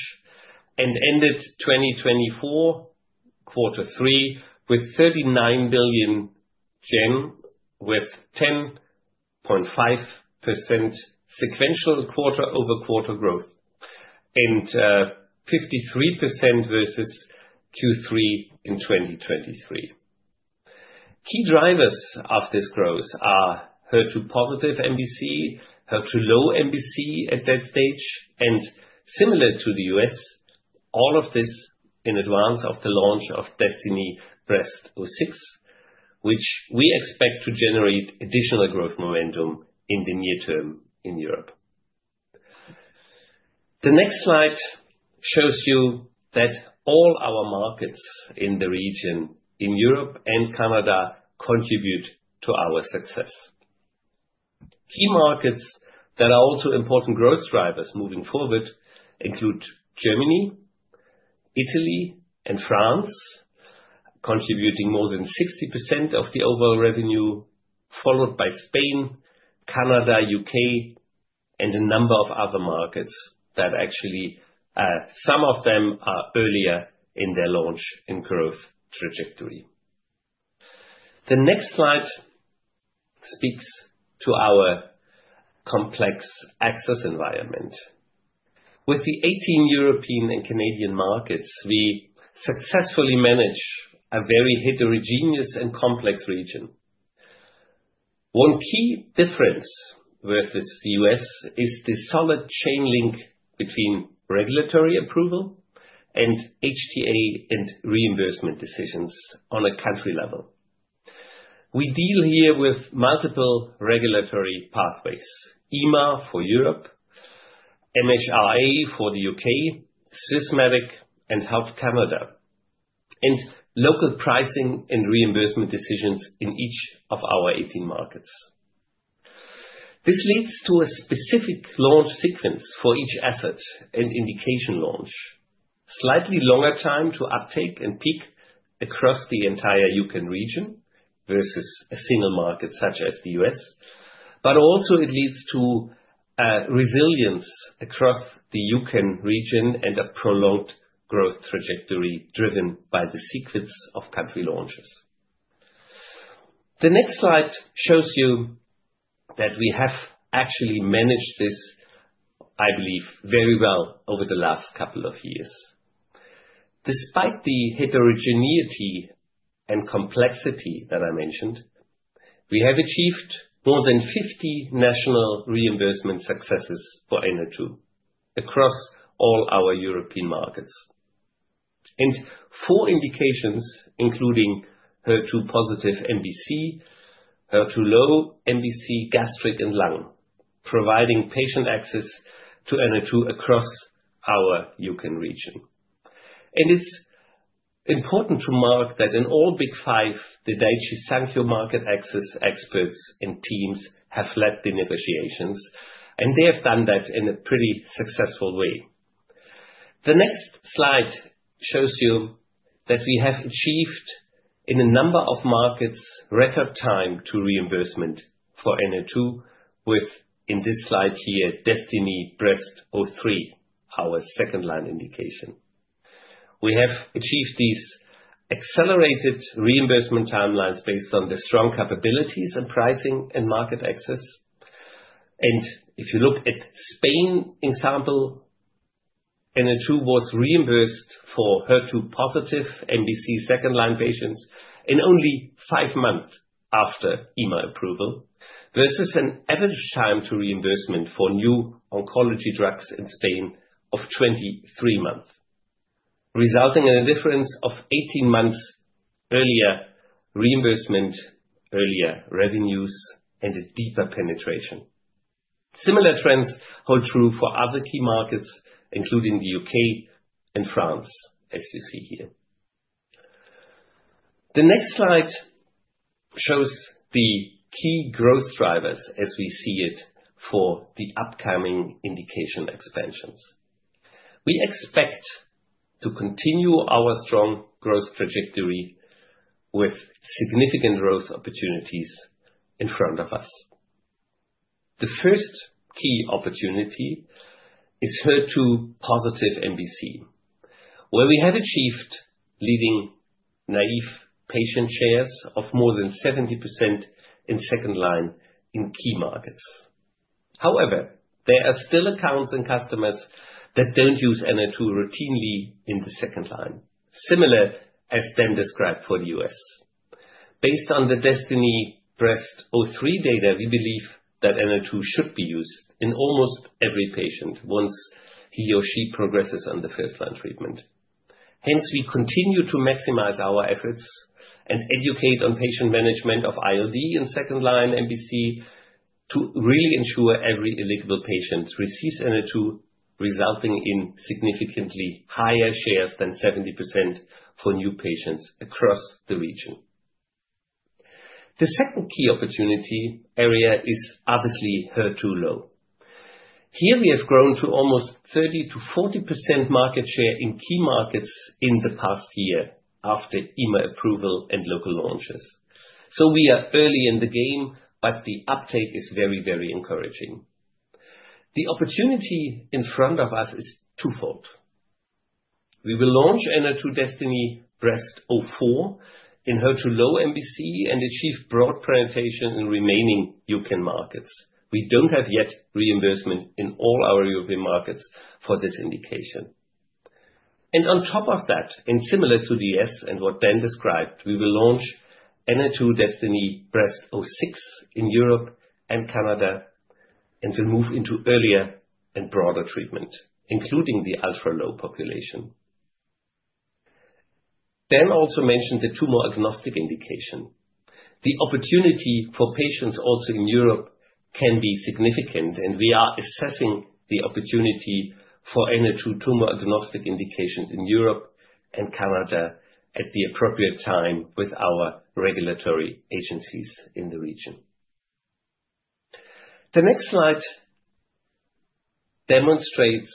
and ended 2024 Q3 with JPY 39 billion, with 10.5% sequential quarter-over-quarter growth and 53% versus Q3 in 2023. Key drivers of this growth are HER2-positive MBC, HER2-low MBC at that stage, and similar to the U.S., all of this in advance of the launch of DESTINY-Breast06, which we expect to generate additional growth momentum in the near term in Europe. The next slide shows you that all our markets in the region in Europe and Canada contribute to our success. Key markets that are also important growth drivers moving forward include Germany, Italy, and France, contributing more than 60% of the overall revenue, followed by Spain, Canada, U.K., and a number of other markets that actually, some of them are earlier in their launch and growth trajectory. The next slide speaks to our complex access environment. With the 18 European and Canadian markets, we successfully manage a very heterogeneous and complex region. One key difference versus the U.S. is the solid chain link between regulatory approval and HTA and reimbursement decisions on a country level. We deal here with multiple regulatory pathways: EMA for Europe, MHRA for the UK, Swissmedic and Health Canada, and local pricing and reimbursement decisions in each of our 18 markets. This leads to a specific launch sequence for each asset and indication launch, slightly longer time to uptake and peak across the entire EUCAN region versus a single market such as the U.S. But also, it leads to resilience across the EUCAN region and a prolonged growth trajectory driven by the sequence of country launches. The next slide shows you that we have actually managed this, I believe, very well over the last couple of years. Despite the heterogeneity and complexity that I mentioned, we have achieved more than 50 national reimbursement successes for Enhertu across all our European markets. Four indications, including HER2-positive MBC, HER2-low MBC, gastric, and lung, providing patient access to Enhertu across our EU/UK region. It's important to note that in all Big Five, the Daiichi Sankyo market access experts and teams have led the negotiations, and they have done that in a pretty successful way. The next slide shows you that we have achieved, in a number of markets, record time to reimbursement for Enhertu, with, in this slide here, DESTINY-Breast03, our second line indication. We have achieved these accelerated reimbursement timelines based on the strong capabilities and pricing and market access. If you look at the Spain example, Enhertu was reimbursed for HER2-positive MBC second-line patients in only five months after EMA approval versus an average time to reimbursement for new oncology drugs in Spain of 23 months, resulting in a difference of 18 months earlier reimbursement, earlier revenues, and a deeper penetration. Similar trends hold true for other key markets, including the U.K. and France, as you see here. The next slide shows the key growth drivers, as we see it, for the upcoming indication expansions. We expect to continue our strong growth trajectory with significant growth opportunities in front of us. The first key opportunity is HER2-positive MBC, where we have achieved leading naive patient shares of more than 70% in second line in key markets. However, there are still accounts and customers that don't use Enhertu routinely in the second line, similar as Dan described for the U.S. Based on the DESTINY-Breast03 data, we believe that Enhertu should be used in almost every patient once he or she progresses on the first-line treatment. Hence, we continue to maximize our efforts and educate on patient management of ILD in second line MBC to really ensure every eligible patient receives Enhertu, resulting in significantly higher shares than 70% for new patients across the region. The second key opportunity area is obviously HER2-low. Here, we have grown to almost 30%-40% market share in key markets in the past year after EMA approval and local launches. So we are early in the game, but the uptake is very, very encouraging. The opportunity in front of us is twofold. We will launch Enhertu DESTINY-Breast04 in HER2-low MBC and achieve broad penetration in remaining EU key markets. We don't have yet reimbursement in all our European markets for this indication, and on top of that, and similar to the U.S. and what Dan described, we will launch Enhertu DESTINY-Breast06 in Europe and Canada and will move into earlier and broader treatment, including the ultra-low population. Dan also mentioned the tumor-agnostic indication. The opportunity for patients also in Europe can be significant, and we are assessing the opportunity for Enhertu tumor-agnostic indications in Europe and Canada at the appropriate time with our regulatory agencies in the region. The next slide demonstrates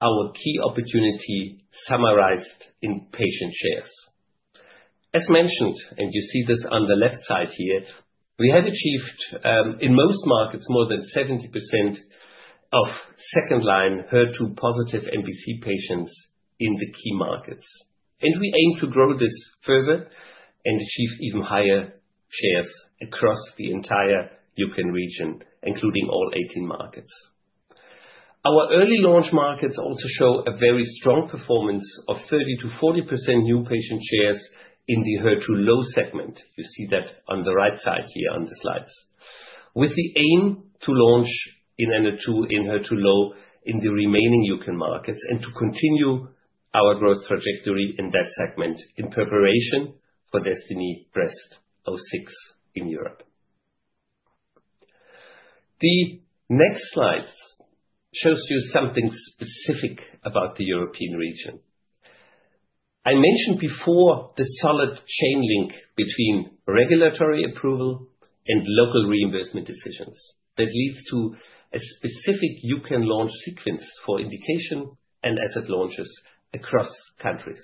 our key opportunity summarized in patient shares. As mentioned, and you see this on the left side here, we have achieved in most markets more than 70% of second-line HER2-positive MBC patients in the key markets. We aim to grow this further and achieve even higher shares across the entire EUCAN region, including all 18 markets. Our early launch markets also show a very strong performance of 30%-40% new patient shares in the HER2-low segment. You see that on the right side here on the slides, with the aim to launch Enhertu in HER2-low in the remaining EUCAN markets and to continue our growth trajectory in that segment in preparation for DESTINY-Breast06 in Europe. The next slide shows you something specific about the European region. I mentioned before the solid chain link between regulatory approval and local reimbursement decisions that leads to a specific EUCAN launch sequence for indication and asset launches across countries.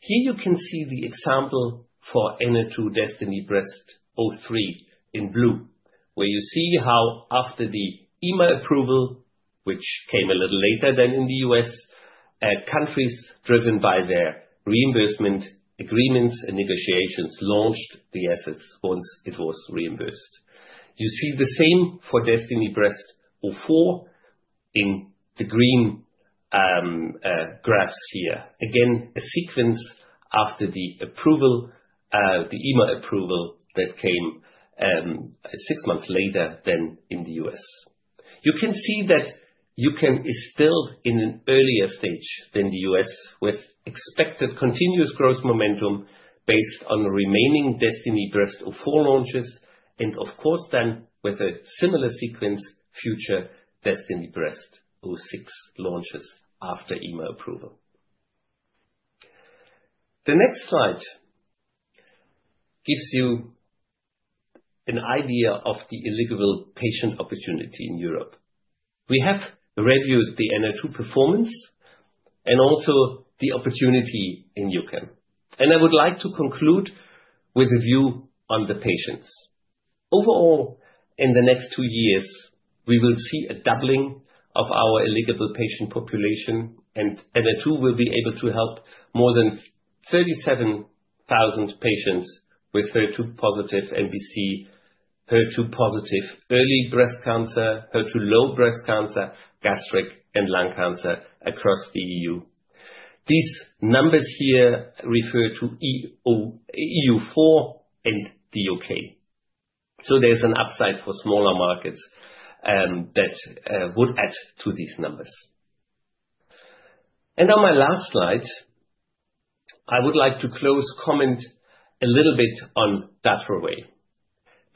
Here you can see the example for Enhertu DESTINY-Breast03 in blue, where you see how after the EMA approval, which came a little later than in the U.S., countries driven by their reimbursement agreements and negotiations launched the assets once it was reimbursed. You see the same for DESTINY-Breast04 in the green graphs here. Again, a sequence after the EMA approval that came six months later than in the U.S. You can see that EU/U.K. is still in an earlier stage than the U.S. with expected continuous growth momentum based on remaining DESTINY-Breast04 launches, and of course, then with a similar sequence, future DESTINY-Breast06 launches after EMA approval. The next slide gives you an idea of the eligible patient opportunity in Europe. We have reviewed the Enhertu performance and also the opportunity in EU/U.K. I would like to conclude with a view on the patients. Overall, in the next two years, we will see a doubling of our eligible patient population, and Enhertu will be able to help more than 37,000 patients with HER2-positive MBC, HER2-positive early breast cancer, HER2-low breast cancer, gastric, and lung cancer across the EU. These numbers here refer to EU4 and the UK. There's an upside for smaller markets that would add to these numbers. On my last slide, I would like to make a closing comment a little bit on Datopotamab deruxtecan.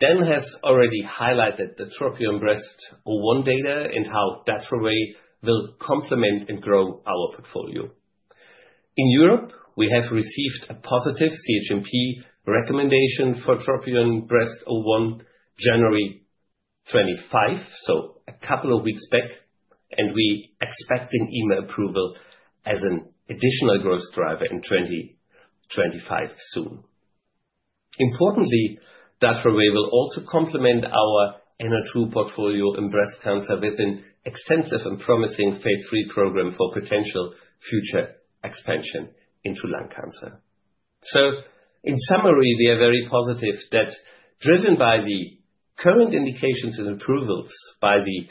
Dan has already highlighted the TROPION-Breast01 data and how Datopotamab deruxtecan will complement and grow our portfolio. In Europe, we have received a positive CHMP recommendation for TROPION-Breast01, January 25, so a couple of weeks back, and we expect an EMA approval as an additional growth driver in 2025 soon. Importantly, Datroway will also complement our Enhertu portfolio in breast cancer with an extensive and promising phase three program for potential future expansion into lung cancer. So in summary, we are very positive that driven by the current indications and approvals, by the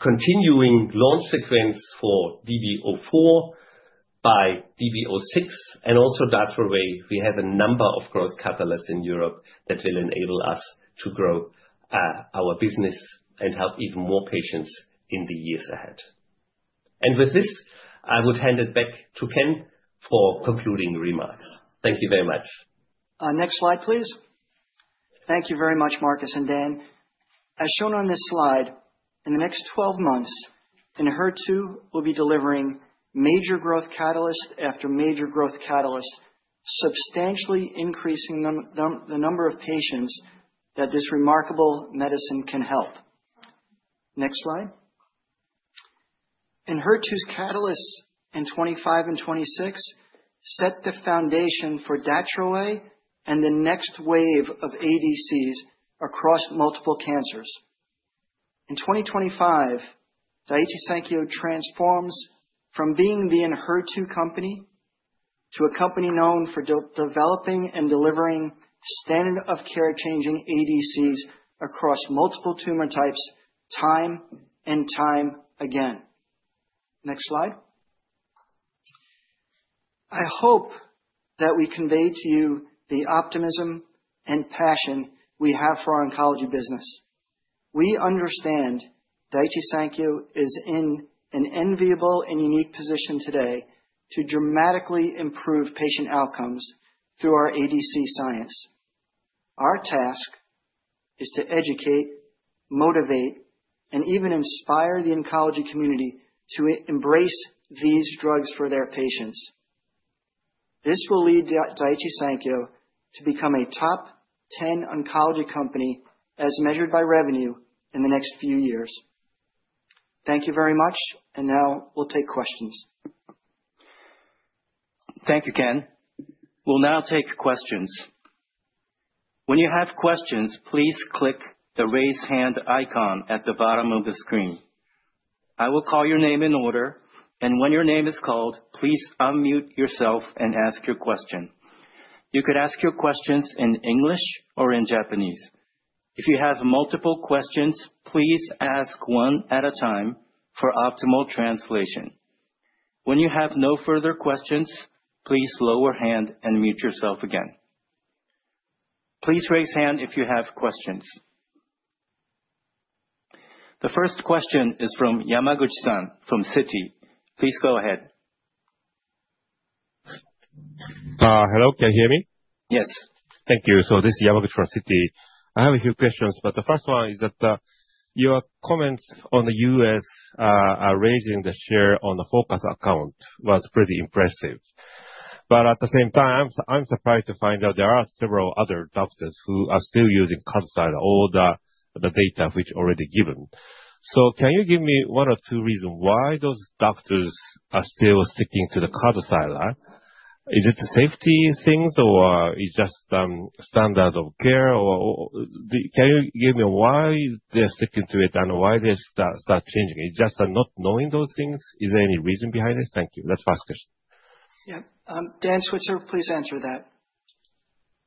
continuing launch sequence for DB04, by DB06, and also Datroway, we have a number of growth catalysts in Europe that will enable us to grow our business and help even more patients in the years ahead. And with this, I would hand it back to Ken for concluding remarks. Thank you very much. Our next slide, please. Thank you very much, Markus and Dan. As shown on this slide, in the next 12 months, Enhertu will be delivering major growth catalyst after major growth catalyst, substantially increasing the number of patients that this remarkable medicine can help. Next slide. Enhertu's catalysts in 2025 and 2026 set the foundation for Datroway and the next wave of ADCs across multiple cancers. In 2025, Daiichi Sankyo transforms from being the Enhertu company to a company known for developing and delivering standard-of-care changing ADCs across multiple tumor types time and time again. Next slide. I hope that we convey to you the optimism and passion we have for our oncology business. We understand Daiichi Sankyo is in an enviable and unique position today to dramatically improve patient outcomes through our ADC science. Our task is to educate, motivate, and even inspire the oncology community to embrace these drugs for their patients. This will lead Daiichi Sankyo to become a top 10 oncology company as measured by revenue in the next few years. Thank you very much, and now we'll take questions. Thank you, Ken. We'll now take questions. When you have questions, please click the raise hand icon at the bottom of the screen. I will call your name in order, and when your name is called, please unmute yourself and ask your question. You could ask your questions in English or in Japanese. If you have multiple questions, please ask one at a time for optimal translation. When you have no further questions, please lower hand and mute yourself again. Please raise hand if you have questions. The first question is from Yamaguchi-san from Citi. Please go ahead. Hello, can you hear me? Yes. Thank you. So this is Yamaguchi from Citi. I have a few questions, but the first one is that your comments on the U.S. are raising the share on the Focus account was pretty impressive. But at the same time, I'm surprised to find out there are several other doctors who are still using Kadcyla or T-DM1 which are already given. So can you give me one or two reasons why those doctors are still sticking to the Kadcyla? Is it the safety things, or is it just standard of care? Can you give me why they're sticking to it and why they start changing? Is it just not knowing those things? Is there any reason behind this? Thank you. That's the first question. Yeah. Dan Switzer, please answer that.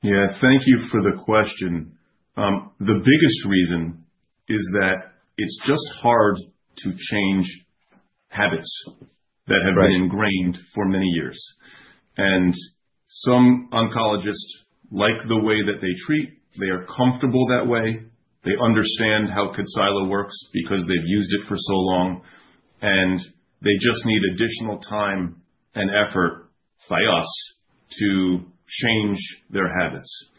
Yeah. Thank you for the question. The biggest reason is that it's just hard to change habits that have been ingrained for many years. And some oncologists, like the way that they treat, they are comfortable that way. They understand how Kadcyla works because they've used it for so long, and they just need additional time and effort by us to change their habits.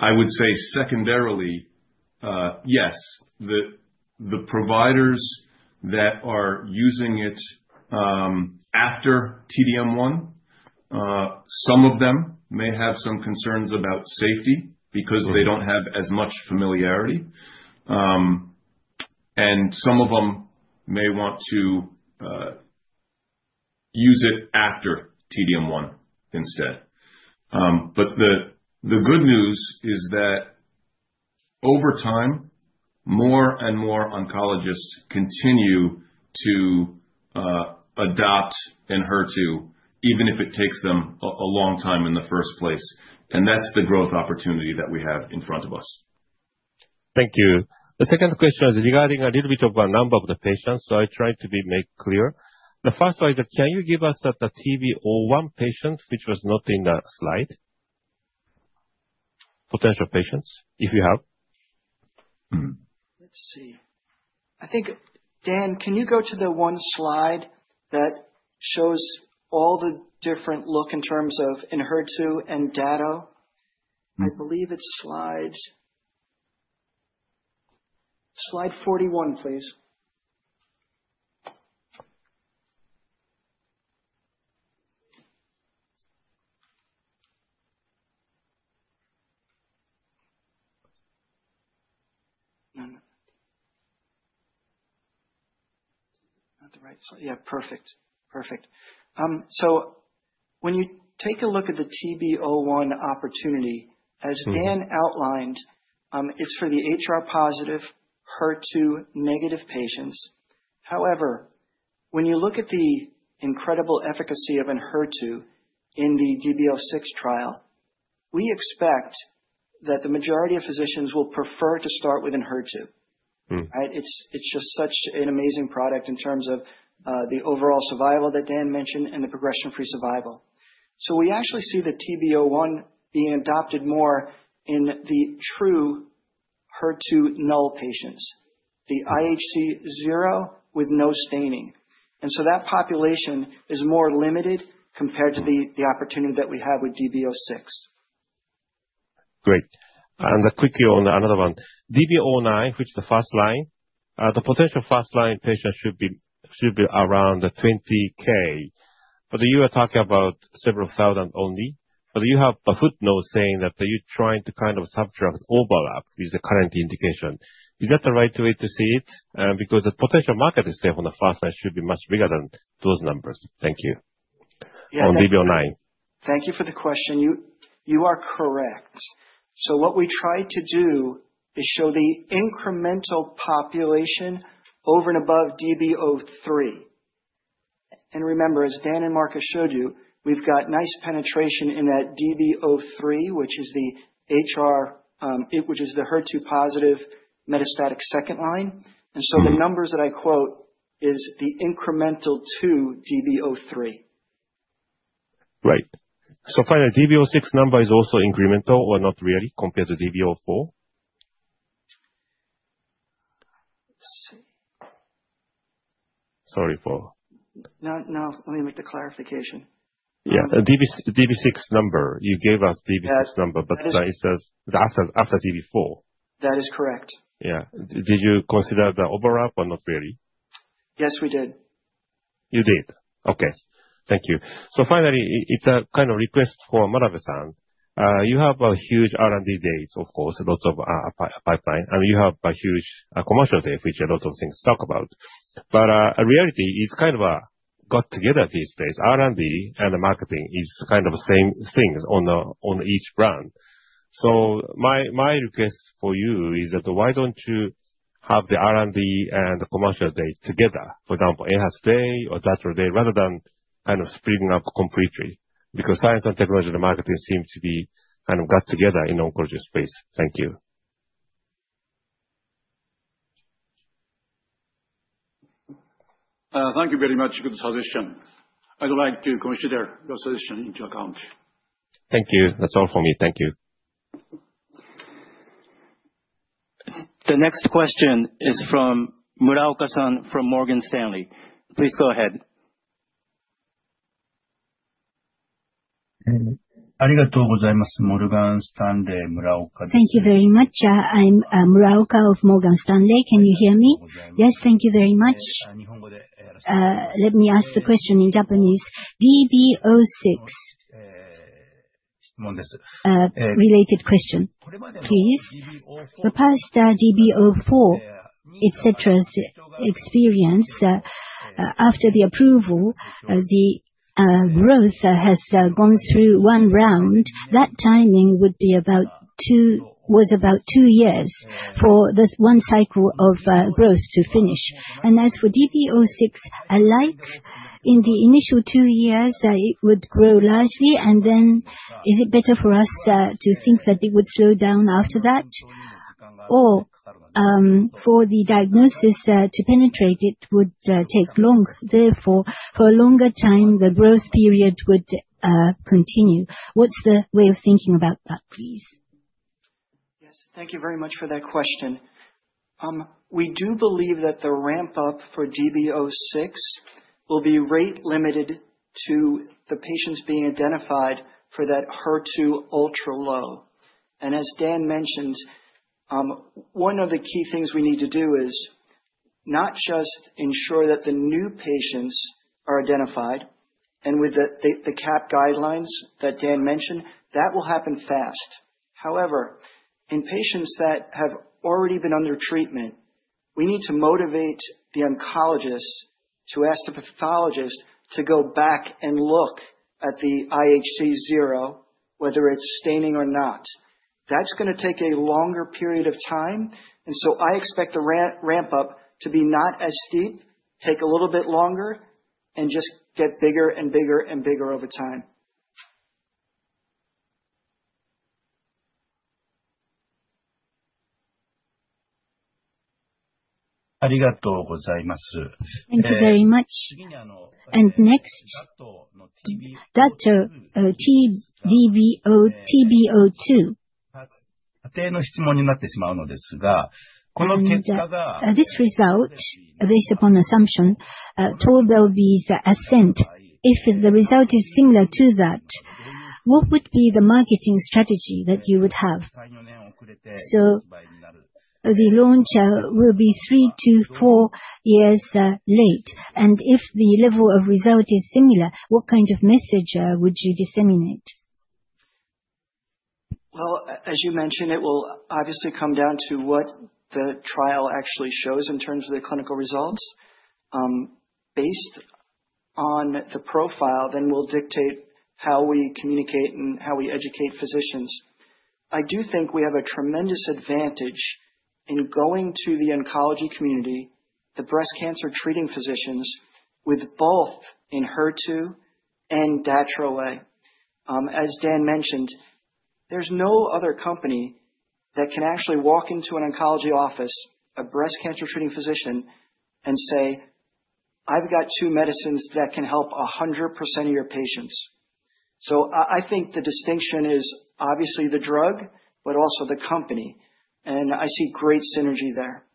I would say secondarily, yes, the providers that are using it after T-DM1, some of them may have some concerns about safety because they don't have as much familiarity. And some of them may want to use it after T-DM1 instead. But the good news is that over time, more and more oncologists continue to adopt Enhertu, even if it takes them a long time in the first place. And that's the growth opportunity that we have in front of us. Thank you. The second question is regarding a little bit of a number of the patients, so I try to make clear. The first one is, can you give us the TROPION-Breast01 patient which was not in the slide? Potential patients, if you have. Let's see. I think, Dan, can you go to the one slide that shows all the different look in terms of in HER2 and DATO? I believe it's slide 41, please. None of that. Not the right slide. Yeah, perfect. Perfect. So when you take a look at the TB01 opportunity, as Dan outlined, it's for the HR-positive, HER2-negative patients. However, when you look at the incredible efficacy of in HER2 in the DB06 trial, we expect that the majority of physicians will prefer to start with in HER2. It's just such an amazing product in terms of the overall survival that Dan mentioned and the progression-free survival. So we actually see the TB01 being adopted more in the true HER2-null patients, the IHC0 with no staining. And so that population is more limited compared to the opportunity that we have with DB06. Great. And quickly on another one. DB09, which is the first line, the potential first-line patient should be around 20K. But you are talking about several thousand only. But you have a footnote saying that you're trying to kind of subtract overlap with the current indication. Is that the right way to see it? Because the potential market itself on the first line should be much bigger than those numbers. Thank you. On DB09. Thank you for the question. You are correct. So what we try to do is show the incremental population over and above DB03. And remember, as Dan and Markus showed you, we've got nice penetration in that DB03, which is the HR, which is the HER2-positive metastatic second line. And so the numbers that I quote is the incremental to DB03. Right. So finally, DB06 number is also incremental or not really compared to DB04? Sorry for. No, no. Let me make the clarification. Yeah. DB6 number, you gave us DB6 number, but it says after DB4. That is correct. Yeah. Did you consider the overlap or not really? Yes, we did. You did. Okay. Thank you. So finally, it's a kind of request for management. You have a huge R&D days, of course, lots of pipeline. And you have a huge commercial day, which a lot of things talk about. But reality is kind of a got together these days. R&D and the marketing is kind of the same things on each brand. So my request for you is that why don't you have the R&D and the commercial day together, for example, Enhertu Day or Datroway rather than kind of splitting up completely? Because science and technology and marketing seem to be kind of got together in the oncology space. Thank you. Thank you very much for the solution. I'd like to consider your solution into account. Thank you. That's all for me. Thank you. The next question is from Muraoka-san from Morgan Stanley. Please go ahead. ありがとうございます。モルガンスタンレー、村岡です。Thank you very much. I'm Muraoka of Morgan Stanley. Can you hear me? Yes, thank you very much. Let me ask the question in Japanese. DB06. Related question, please. The past DB04, etc., experience after the approval, the growth has gone through one round. That timing would be about two years for this one cycle of growth to finish. And as for DB06, alike, in the initial two years, it would grow largely. And then is it better for us to think that it would slow down after that? Or for the diagnosis to penetrate, it would take longer. Therefore, for a longer time, the growth period would continue. What's the way of thinking about that, please? Yes, thank you very much for that question. We do believe that the ramp-up for DB06 will be rate-limited to the patients being identified for that HER2 ultra-low. And as Dan mentioned, one of the key things we need to do is not just ensure that the new patients are identified and with the CAP guidelines that Dan mentioned, that will happen fast. However, in patients that have already been under treatment, we need to motivate the oncologist to ask the pathologist to go back and look at the IHC0, whether it's staining or not. That's going to take a longer period of time. And so I expect the ramp-up to be not as steep, take a little bit longer, and just get bigger and bigger and bigger over time. ありがとうございます。Thank you very much. And next, DB02. This result, based upon assumption, the results of ASCENT. If the result is similar to that, what would be the marketing strategy that you would have? So the launch will be three to four years late. And if the level of result is similar, what kind of message would you disseminate? Well, as you mentioned, it will obviously come down to what the trial actually shows in terms of the clinical results. Based on the profile, then we'll dictate how we communicate and how we educate physicians. I do think we have a tremendous advantage in going to the oncology community, the breast cancer treating physicians, with both Enhertu and Datroway. As Dan mentioned, there's no other company that can actually walk into an oncology office, a breast cancer treating physician, and say, "I've got two medicines that can help 100% of your patients." So I think the distinction is obviously the drug, but also the company. And I see great synergy there.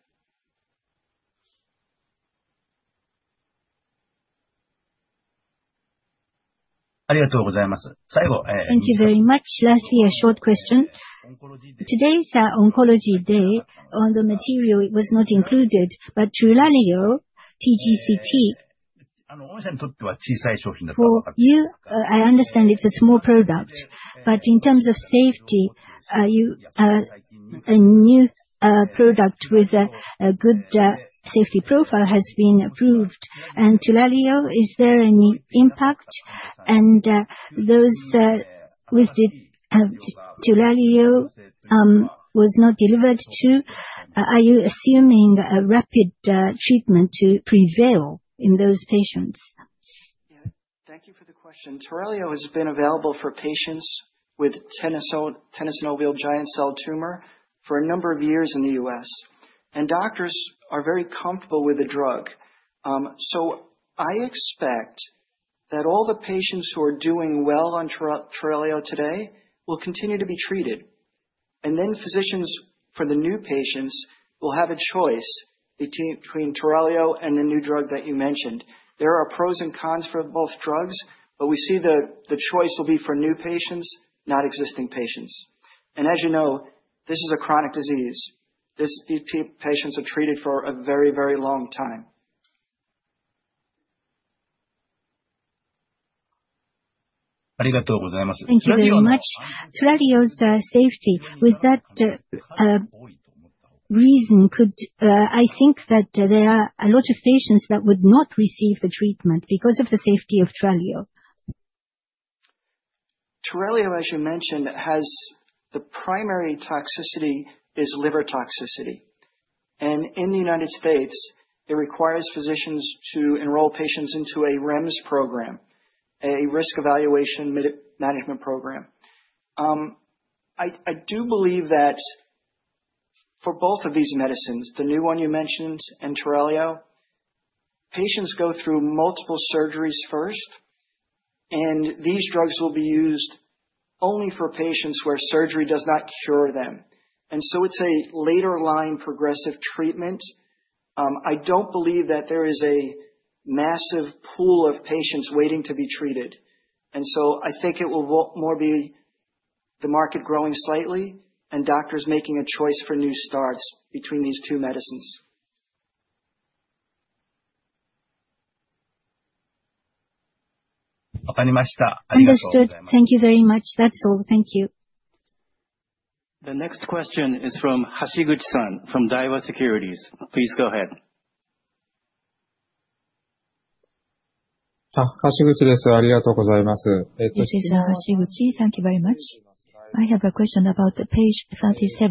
ありがとうございます。最後。Thank you very much. Lastly, a short question. Today's oncology day, on the material, it was not included, but Turalio, TGCT. あの、御社にとっては小さい商品だと。For you, I understand it's a small product. But in terms of safety, a new product with a good safety profile has been approved. And Turalio, is there any impact? And those with the Turalio was not delivered to, are you assuming a rapid treatment to prevail in those patients? Thank you for the question. Turalio has been available for patients with tenosynovial giant cell tumor for a number of years in the U.S. Doctors are very comfortable with the drug. So I expect that all the patients who are doing well on Turalio today will continue to be treated. Physicians for the new patients will have a choice between Turalio and the new drug that you mentioned. There are pros and cons for both drugs, but we see the choice will be for new patients, not existing patients. As you know, this is a chronic disease. These patients are treated for a very, very long time. ありがとうございます。Thank you very much. Turalio's safety, with that reason, could I think that there are a lot of patients that would not receive the treatment because of the safety of Turalio? Turalio, as you mentioned, has the primary toxicity is liver toxicity. In the United States, it requires physicians to enroll patients into a REMS program, a risk evaluation and mitigation strategy. I do believe that for both of these medicines, the new one you mentioned and Turalio, patients go through multiple surgeries first. And these drugs will be used only for patients where surgery does not cure them. And so it's a later line progressive treatment. I don't believe that there is a massive pool of patients waiting to be treated. And so I think it will more be the market growing slightly and doctors making a choice for new starts between these two medicines. わかりました。ありがとうございます。Understood. Thank you very much. That's all. Thank you. The next question is from Hashiguchi-san from Daiwa Securities. Please go ahead. ハシグチです。ありがとうございます。This is Hashiguchi. Thank you very much. I have a question about the page 37.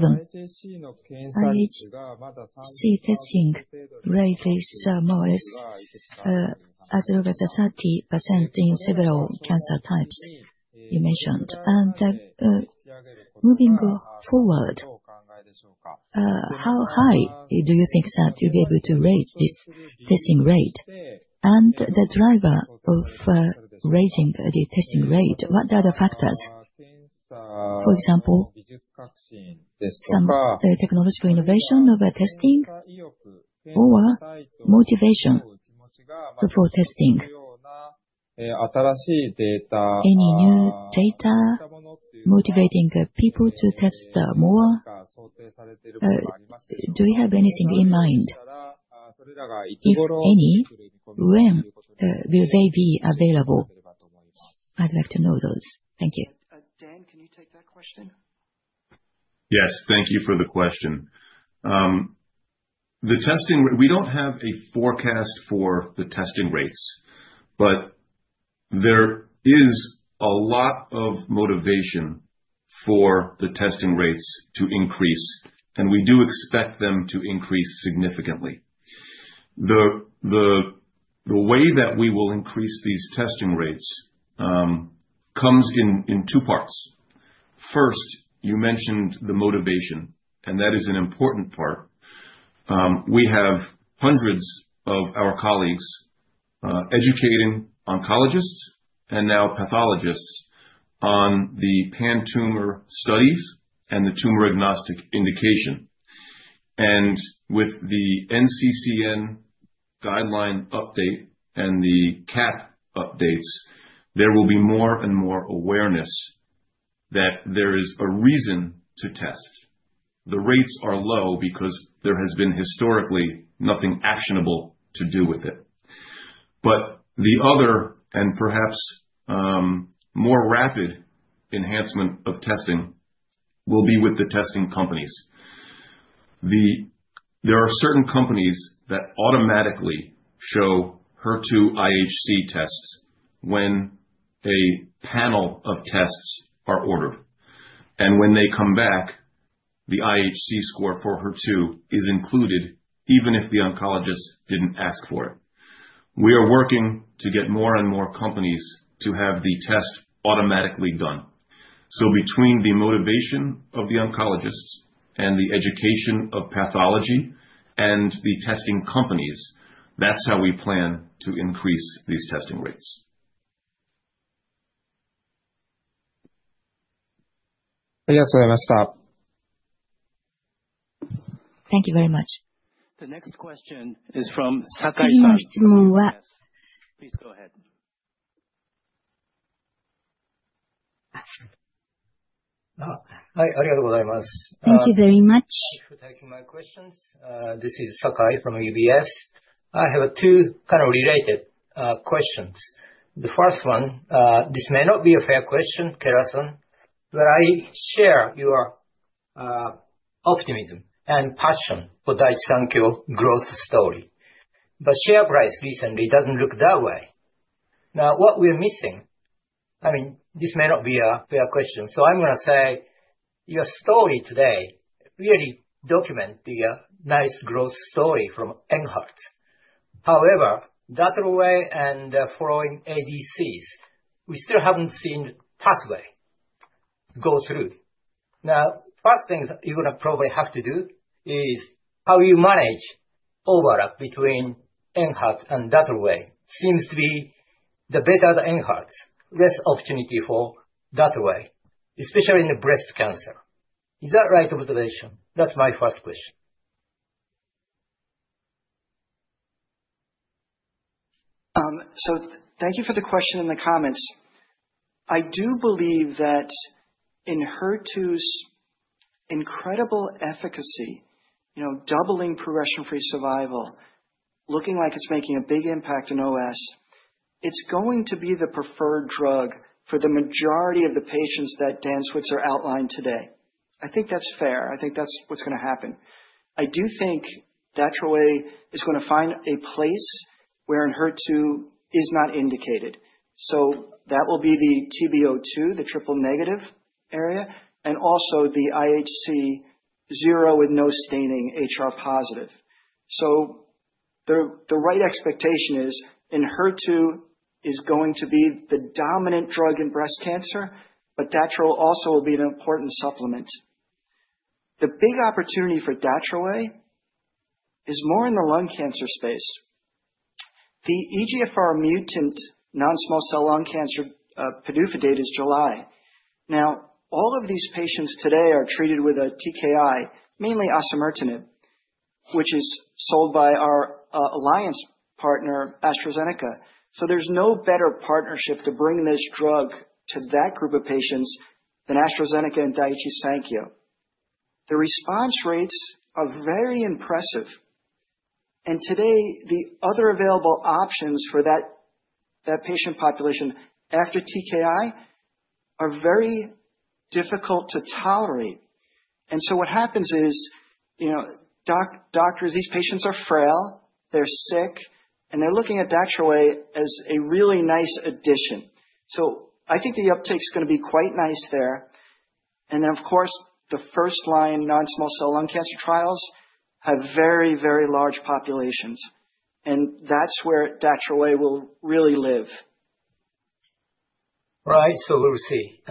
IHC testing rates more or less as low as 30% in several cancer types you mentioned. Moving forward, how high do you think that you'll be able to raise this testing rate? The driver of raising the testing rate, what are the factors? For example, some technological innovation of testing or motivation for testing? Any new data motivating people to test more? Do you have anything in mind? If any, when will they be available? I'd like to know those. Thank you. Dan, can you take that question? Yes, thank you for the question. The testing, we don't have a forecast for the testing rates, but there is a lot of motivation for the testing rates to increase, and we do expect them to increase significantly. The way that we will increase these testing rates comes in two parts. First, you mentioned the motivation, and that is an important part. We have hundreds of our colleagues educating oncologists and now pathologists on the pan-tumor studies and the tumor-agnostic indication. And with the NCCN guideline update and the CAP updates, there will be more and more awareness that there is a reason to test. The rates are low because there has been historically nothing actionable to do with it. But the other and perhaps more rapid enhancement of testing will be with the testing companies. There are certain companies that automatically show HER2 IHC tests when a panel of tests are ordered. And when they come back, the IHC score for HER2 is included even if the oncologist didn't ask for it. We are working to get more and more companies to have the test automatically done. So between the motivation of the oncologists and the education of pathology and the testing companies, that's how we plan to increase these testing rates. ありがとうございました。Thank you very much. The next question is from Sakai-san. はい。Please go ahead. はい、ありがとうございます。Thank you very much. Thank you for taking my questions. This is Sakai from UBS. I have two kind of related questions. The first one, this may not be a fair question, Ken-san, but I share your optimism and passion for Daiichi Sankyo growth story. But share price recently doesn't look that way. Now, what we're missing, I mean, this may not be a fair question, so I'm going to say your story today really documents the nice growth story from Enhertu. However, Datroway and the following ADCs, we still haven't seen pathway go through. Now, first thing you're going to probably have to do is how you manage overlap between Enhertu and Datroway. Seems to be the better the Enhertu, less opportunity for Datroway, especially in the breast cancer. Is that right observation? That's my first question. So thank you for the question and the comments. I do believe that in Enhertu's incredible efficacy, you know, doubling progression-free survival, looking like it's making a big impact in OS, it's going to be the preferred drug for the majority of the patients that Dan Switzer outlined today. I think that's fair. I think that's what's going to happen. I do think Datroway is going to find a place wherein HER2 is not indicated. So that will be the TROPION-Breast02, the triple negative area, and also the IHC 0 with no staining, HR-positive. So the right expectation is Enhertu is going to be the dominant drug in breast cancer, but Dato-DXd also will be an important supplement. The big opportunity for Dato-DXd is more in the lung cancer space. The EGFR-mutant non-small cell lung cancer PDUFA date is July. Now, all of these patients today are treated with a TKI, mainly osimertinib, which is sold by our alliance partner, AstraZeneca. So there's no better partnership to bring this drug to that group of patients than AstraZeneca and Daiichi Sankyo. The response rates are very impressive. And today, the other available options for that patient population after TKI are very difficult to tolerate. And so what happens is, you know, doctors, these patients are frail, they're sick, and they're looking at Dato-DXd as a really nice addition. So I think the uptake is going to be quite nice there. Then, of course, the first-line non-small cell lung cancer trials have very, very large populations. That's where Datroway will really live. Right. So we will see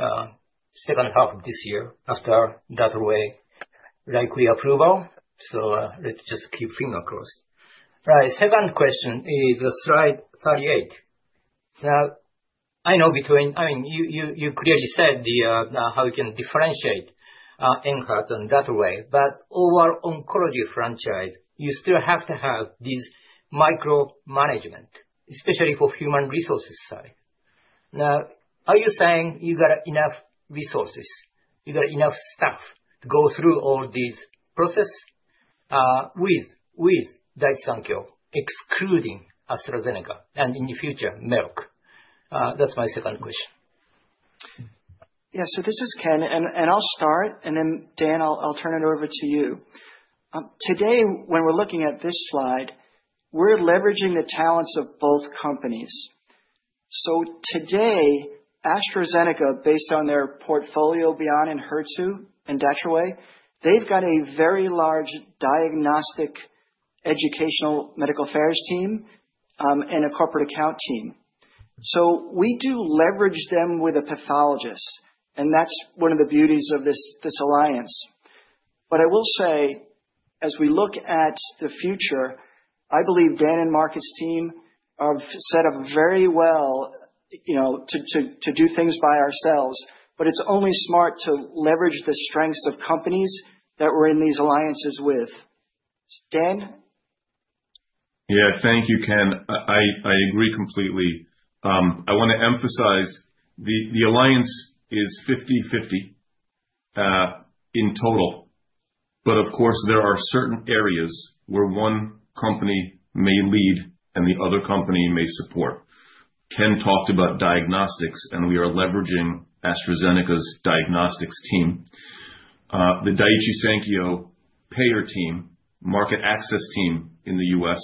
second half of this year after Datroway likely approval. Let's just keep fingers crossed. Right. Second question is slide 38. Now, I know between, I mean, you clearly said how you can differentiate Enhertu and Datroway, but overall oncology franchise, you still have to have this micromanagement, especially for human resources side. Now, are you saying you got enough resources, you got enough staff to go through all these processes with Daiichi Sankyo excluding AstraZeneca and in the future Merck? That's my second question. Yeah, so this is Ken, and I'll start, and then Dan, I'll turn it over to you. Today, when we're looking at this slide, we're leveraging the talents of both companies. So today, AstraZeneca, based on their portfolio beyond Enhertu and Datroway, they've got a very large diagnostic educational medical affairs team and a corporate account team. So we do leverage them with a pathologist, and that's one of the beauties of this alliance. But I will say, as we look at the future, I believe Dan and Mark's team have set up very well, you know, to do things by ourselves, but it's only smart to leverage the strengths of companies that we're in these alliances with. Dan? Yeah, thank you, Ken. I agree completely. I want to emphasize the alliance is 50-50 in total, but of course, there are certain areas where one company may lead and the other company may support. Ken talked about diagnostics, and we are leveraging AstraZeneca's diagnostics team. The Daiichi Sankyo payer team, market access team in the U.S.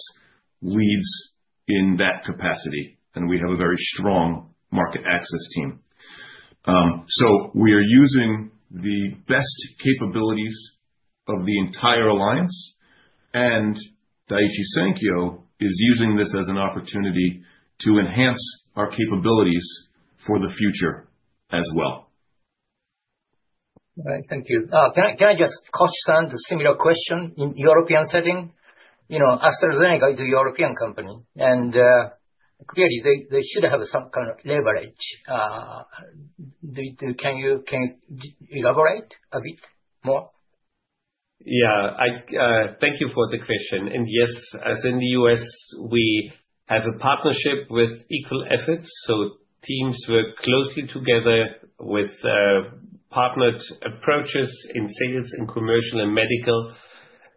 leads in that capacity, and we have a very strong market access team. So we are using the best capabilities of the entire alliance, and Daiichi Sankyo is using this as an opportunity to enhance our capabilities for the future as well. Right. Thank you. Can I just touch on the similar question in the European setting? You know, AstraZeneca is a European company, and clearly they should have some kind of leverage. Can you elaborate a bit more? Yeah, thank you for the question. And yes, as in the U.S., we have a partnership with AstraZeneca. So teams work closely together with partnered approaches in sales, in commercial, and medical,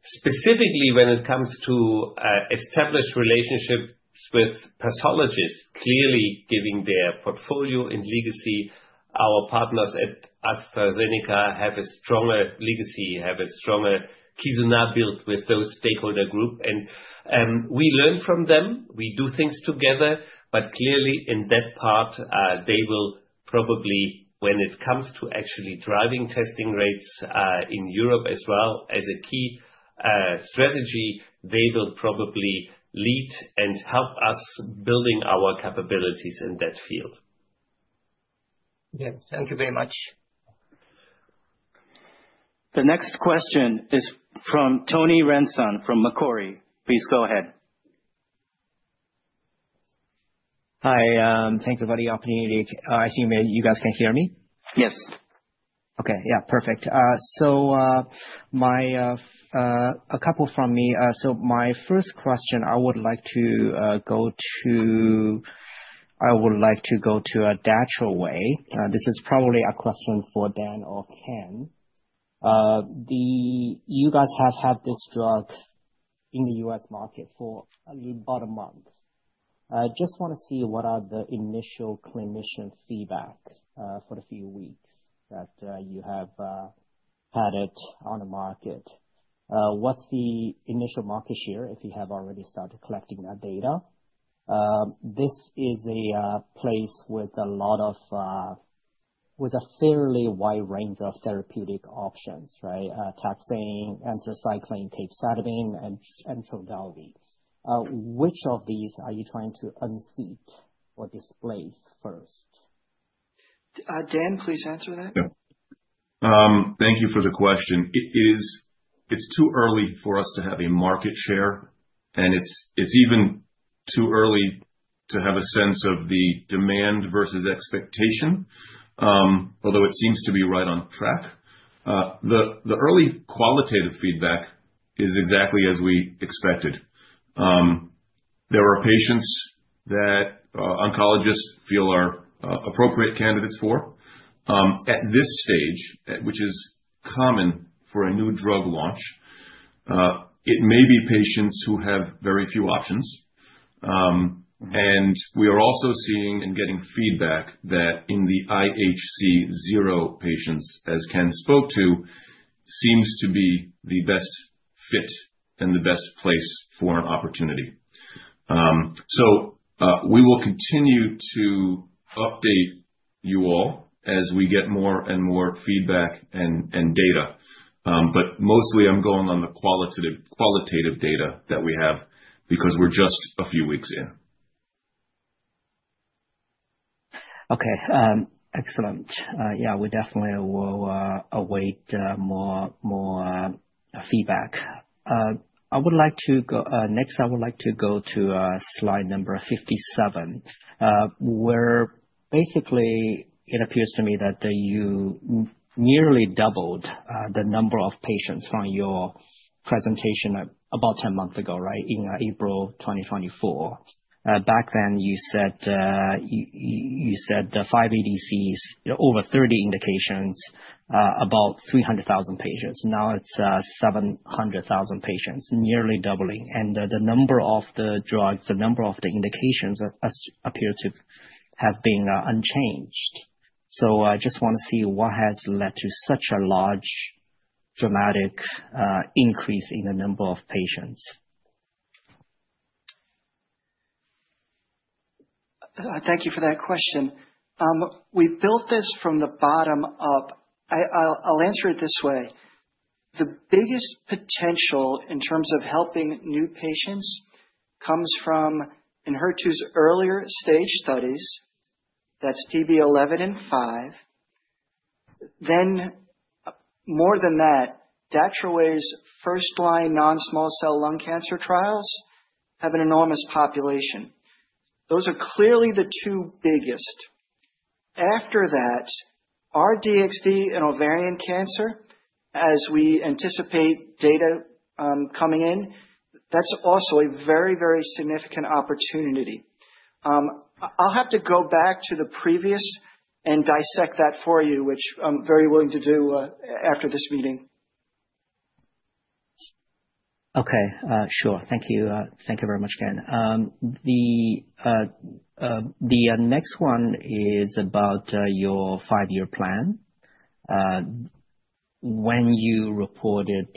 specifically when it comes to established relationships with pathologists, clearly giving their portfolio and legacy. Our partners at AstraZeneca have a stronger legacy, have a stronger Kizuna built with those stakeholder groups. And we learn from them. We do things together, but clearly in that part, they will probably, when it comes to actually driving testing rates in Europe as well as a key strategy, they will probably lead and help us building our capabilities in that field. Yeah, thank you very much. The next question is from Tony Ren-san from Macquarie. Please go ahead. Hi, thank you for the opportunity. I assume you guys can hear me? Yes. Okay, yeah, perfect. So a couple from me. So my first question, I would like to go to, I would like to go to Datroway. This is probably a question for Dan or Ken. You guys have had this drug in the U.S. market for about a month. I just want to see what are the initial clinician feedback for the few weeks that you have had it on the market. What's the initial market share if you have already started collecting that data? This is a place with a lot of, with a fairly wide range of therapeutic options, right? Taxane, anthracycline, Capecitabine, and Trodelvy. Which of these are you trying to unseat or displace first? Dan, please answer that. Thank you for the question. It's too early for us to have a market share, and it's even too early to have a sense of the demand versus expectation, although it seems to be right on track. The early qualitative feedback is exactly as we expected. There are patients that oncologists feel are appropriate candidates for. At this stage, which is common for a new drug launch, it may be patients who have very few options. We are also seeing and getting feedback that in the IHC0 patients, as Ken spoke to, seems to be the best fit and the best place for an opportunity. So we will continue to update you all as we get more and more feedback and data. But mostly, I'm going on the qualitative data that we have because we're just a few weeks in. Okay, excellent. Yeah, we definitely will await more feedback. Next, I would like to go to slide number 57, where basically it appears to me that you nearly doubled the number of patients from your presentation about 10 months ago, right, in April 2024. Back then, you said five ADCs, over 30 indications, about 300,000 patients. Now it's 700,000 patients, nearly doubling. The number of the drugs, the number of the indications appear to have been unchanged. So I just want to see what has led to such a large dramatic increase in the number of patients. Thank you for that question. We've built this from the bottom up. I'll answer it this way. The biggest potential in terms of helping new patients comes from Enhertu's earlier stage studies, that's DESTINY-Breast11 and DESTINY-Breast05. Then more than that, Datroway's first line non-small cell lung cancer trials have an enormous population. Those are clearly the two biggest. After that, our DXD and ovarian cancer, as we anticipate data coming in, that's also a very, very significant opportunity. I'll have to go back to the previous and dissect that for you, which I'm very willing to do after this meeting. Okay, sure. Thank you. Thank you very much, Ken. The next one is about your five-year plan. When you reported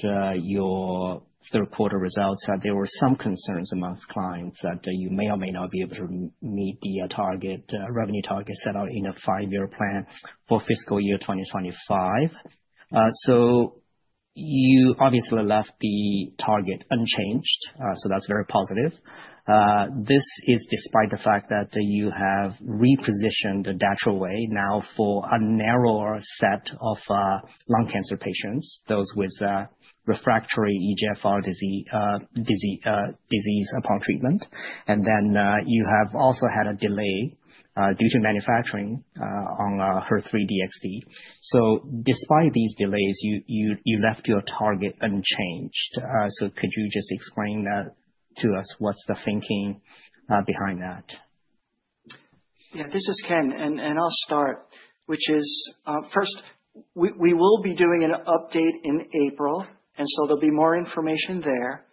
your third quarter results, there were some concerns among clients that you may or may not be able to meet the target revenue set out in a five-year plan for fiscal year 2025, so you obviously left the target unchanged, so that's very positive. This is despite the fact that you have repositioned Datroway now for a narrower set of lung cancer patients, those with refractory EGFR disease upon treatment, and then you have also had a delay due to manufacturing on HER3-DXd, so despite these delays, you left your target unchanged. So could you just explain that to us? What's the thinking behind that? Yeah, this is Ken, and I'll start, which is first, we will be doing an update in April, and so there'll be more information there.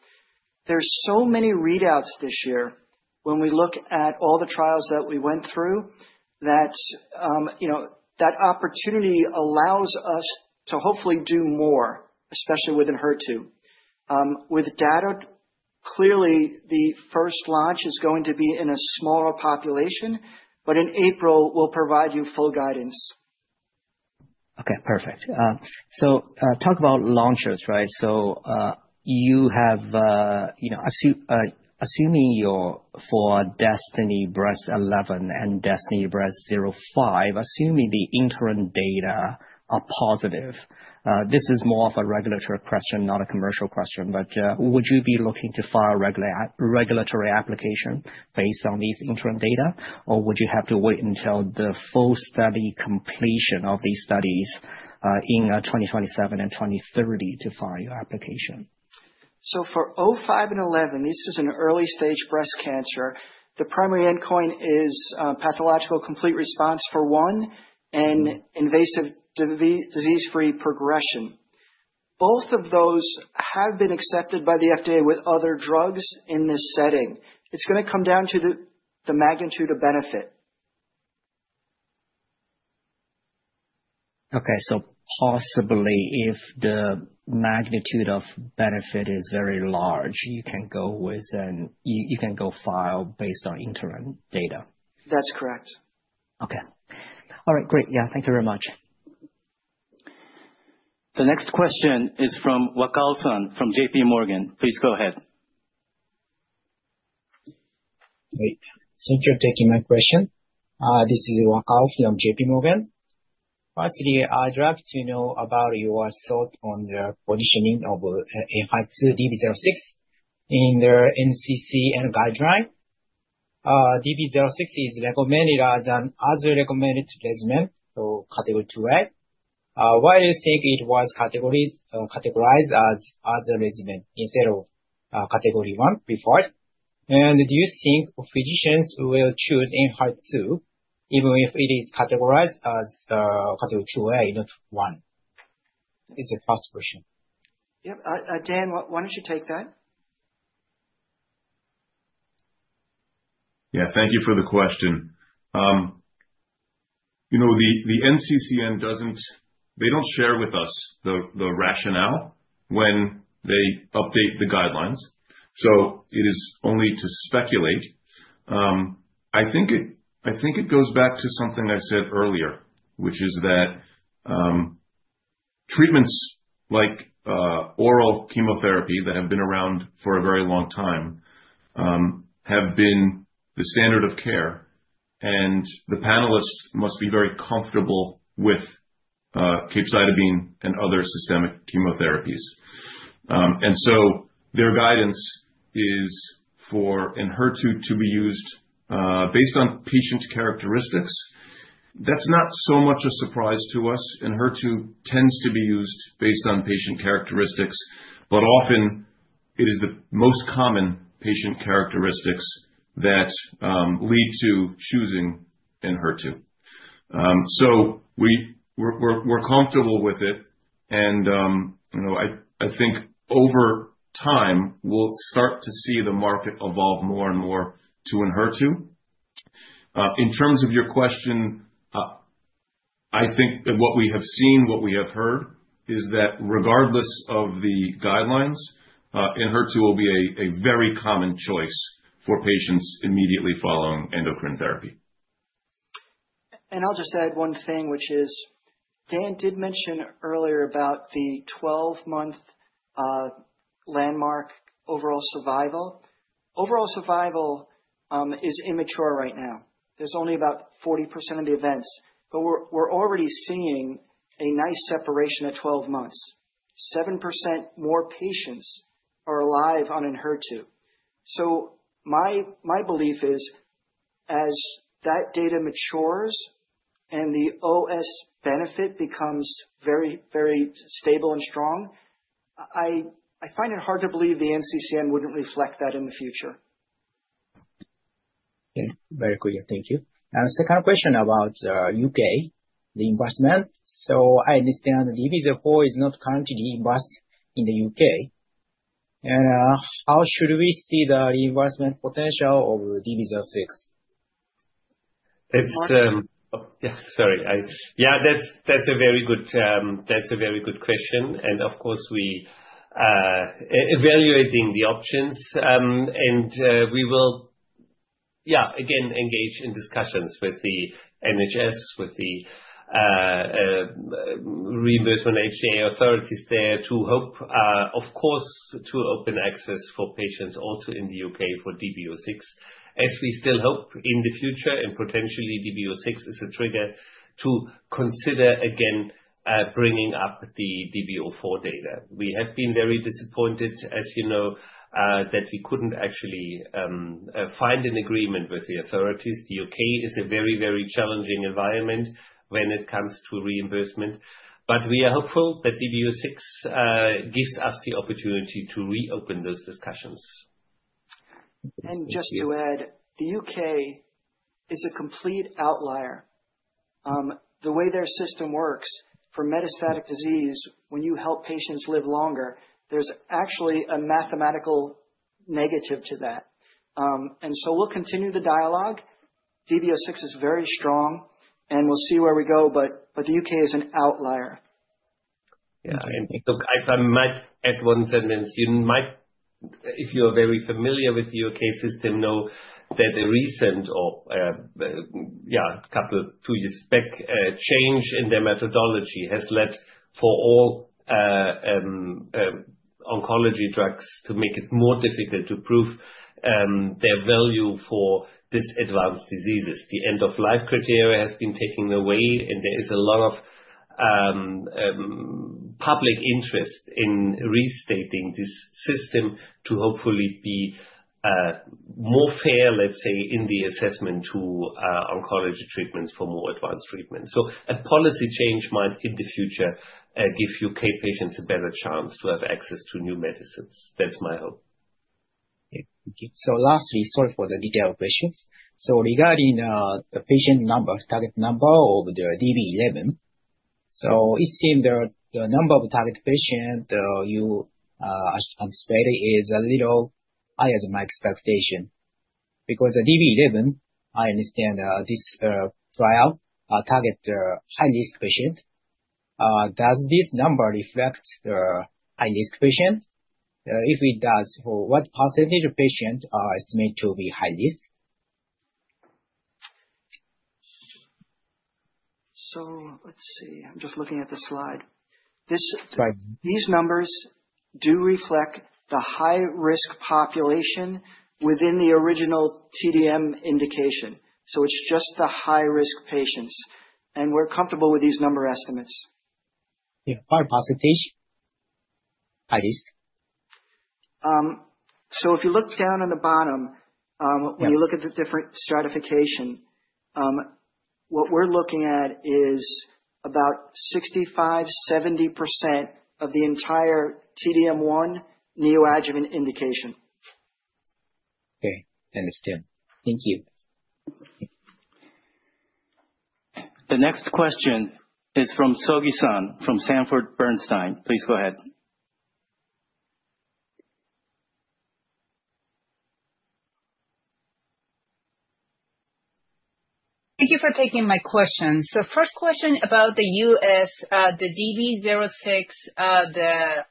There's so many readouts this year. When we look at all the trials that we went through, that opportunity allows us to hopefully do more, especially within HER2. With Dato, clearly the first launch is going to be in a smaller population, but in April, we'll provide you full guidance. Okay, perfect. So talk about launches, right? So you have, assuming your for DESTINY-Breast11 and DESTINY-Breast05, assuming the interim data are positive. This is more of a regulatory question, not a commercial question, but would you be looking to file a regulatory application based on these interim data, or would you have to wait until the full study completion of these studies in 2027 and 2030 to file your application? So for 05 and 11, this is an early-stage breast cancer. The primary endpoint is pathological complete response for one and invasive disease-free progression. Both of those have been accepted by the FDA with other drugs in this setting. It's going to come down to the magnitude of benefit. Okay, so possibly if the magnitude of benefit is very large, you can go with, and you can go file based on interim data. That's correct. Okay. All right, great. Yeah, thank you very much. The next question is from Wakao-san from JPMorgan. Please go ahead. Great. Thank you for taking my question. This is Wakao from JP Morgan. Firstly, I'd like to know about your thoughts on the positioning of DB06 in the NCCN guideline. DB06 is recommended as an other recommended regimen, so category 2A. Why do you think it was categorized as other regimen instead of category 1 before? And do you think physicians will choose in HER2 even if it is categorized as category 2A, not 1? It's a fast question. Yep. Dan, why don't you take that? Yeah, thank you for the question. You know, the NCCN doesn't, they don't share with us the rationale when they update the guidelines. So it is only to speculate. I think it goes back to something I said earlier, which is that treatments like oral chemotherapy that have been around for a very long time have been the standard of care, and the panelists must be very comfortable with Capecitabine and other systemic chemotherapies. And so their guidance is for Enhertu to be used based on patient characteristics. That's not so much a surprise to us. Enhertu tends to be used based on patient characteristics, but often it is the most common patient characteristics that lead to choosing Enhertu. So we're comfortable with it. I think over time, we'll start to see the market evolve more and more to Enhertu. In terms of your question, I think that what we have seen, what we have heard is that regardless of the guidelines, Enhertu will be a very common choice for patients immediately following endocrine therapy. I'll just add one thing, which is Dan did mention earlier about the 12-month landmark overall survival. Overall survival is immature right now. There's only about 40% of the events, but we're already seeing a nice separation at 12 months. 7% more patients are alive on Enhertu. So my belief is, as that data matures and the OS benefit becomes very, very stable and strong, I find it hard to believe the NCCN wouldn't reflect that in the future. Okay, very clear. Thank you. The second question about the U.K., the investment. I understand DB04 is not currently reimbursed in the U.K. How should we see the reimbursement potential of DB06? That's a very good question. Of course, we are evaluating the options. We will again engage in discussions with the NHS, with the reimbursement HTA authorities there to hope, of course, to open access for patients also in the U.K. for DB06, as we still hope in the future and potentially DB06 is a trigger to consider again bringing up the DB04 data. We have been very disappointed, as you know, that we couldn't actually find an agreement with the authorities. The U.K. is a very, very challenging environment when it comes to reimbursement. We are hopeful that DB06 gives us the opportunity to reopen those discussions. Just to add, the U.K. is a complete outlier. The way their system works for metastatic disease, when you help patients live longer, there's actually a mathematical negative to that. And so we'll continue the dialogue. DB06 is very strong, and we'll see where we go, but the U.K. is an outlier. Yeah, I mean, if I might add one sentence, you might, if you're very familiar with the U.K. system, know that a recent, or yeah, a couple of years back, change in their methodology has led for all oncology drugs to make it more difficult to prove their value for these advanced diseases. The end-of-life criteria has been taken away, and there is a lot of public interest in restating this system to hopefully be more fair, let's say, in the assessment to oncology treatments for more advanced treatments. A policy change might in the future give UK patients a better chance to have access to new medicines. That's my hope. Okay, thank you. Lastly, sorry for the detailed questions. Regarding the patient number, target number of the DB11, it seems that the number of target patients you anticipated is a little higher than my expectation. Because DB11, I understand this trial targets high-risk patients. Does this number reflect the high-risk patients? If it does, for what percentage of patients are estimated to be high-risk? Let's see. I'm just looking at the slide. These numbers do reflect the high-risk population within the original T-DM1 indication. It's just the high-risk patients, and we're comfortable with these number estimates. Yeah, 5% high-risk. If you look down on the bottom, when you look at the different stratification, what we're looking at is about 65%-70% of the entire T-DM1 neoadjuvant indication. Okay, understood. Thank you. The next question is from Sogi-san from Sanford Bernstein. Please go ahead. Thank you for taking my question. First question about the US, the DB06, the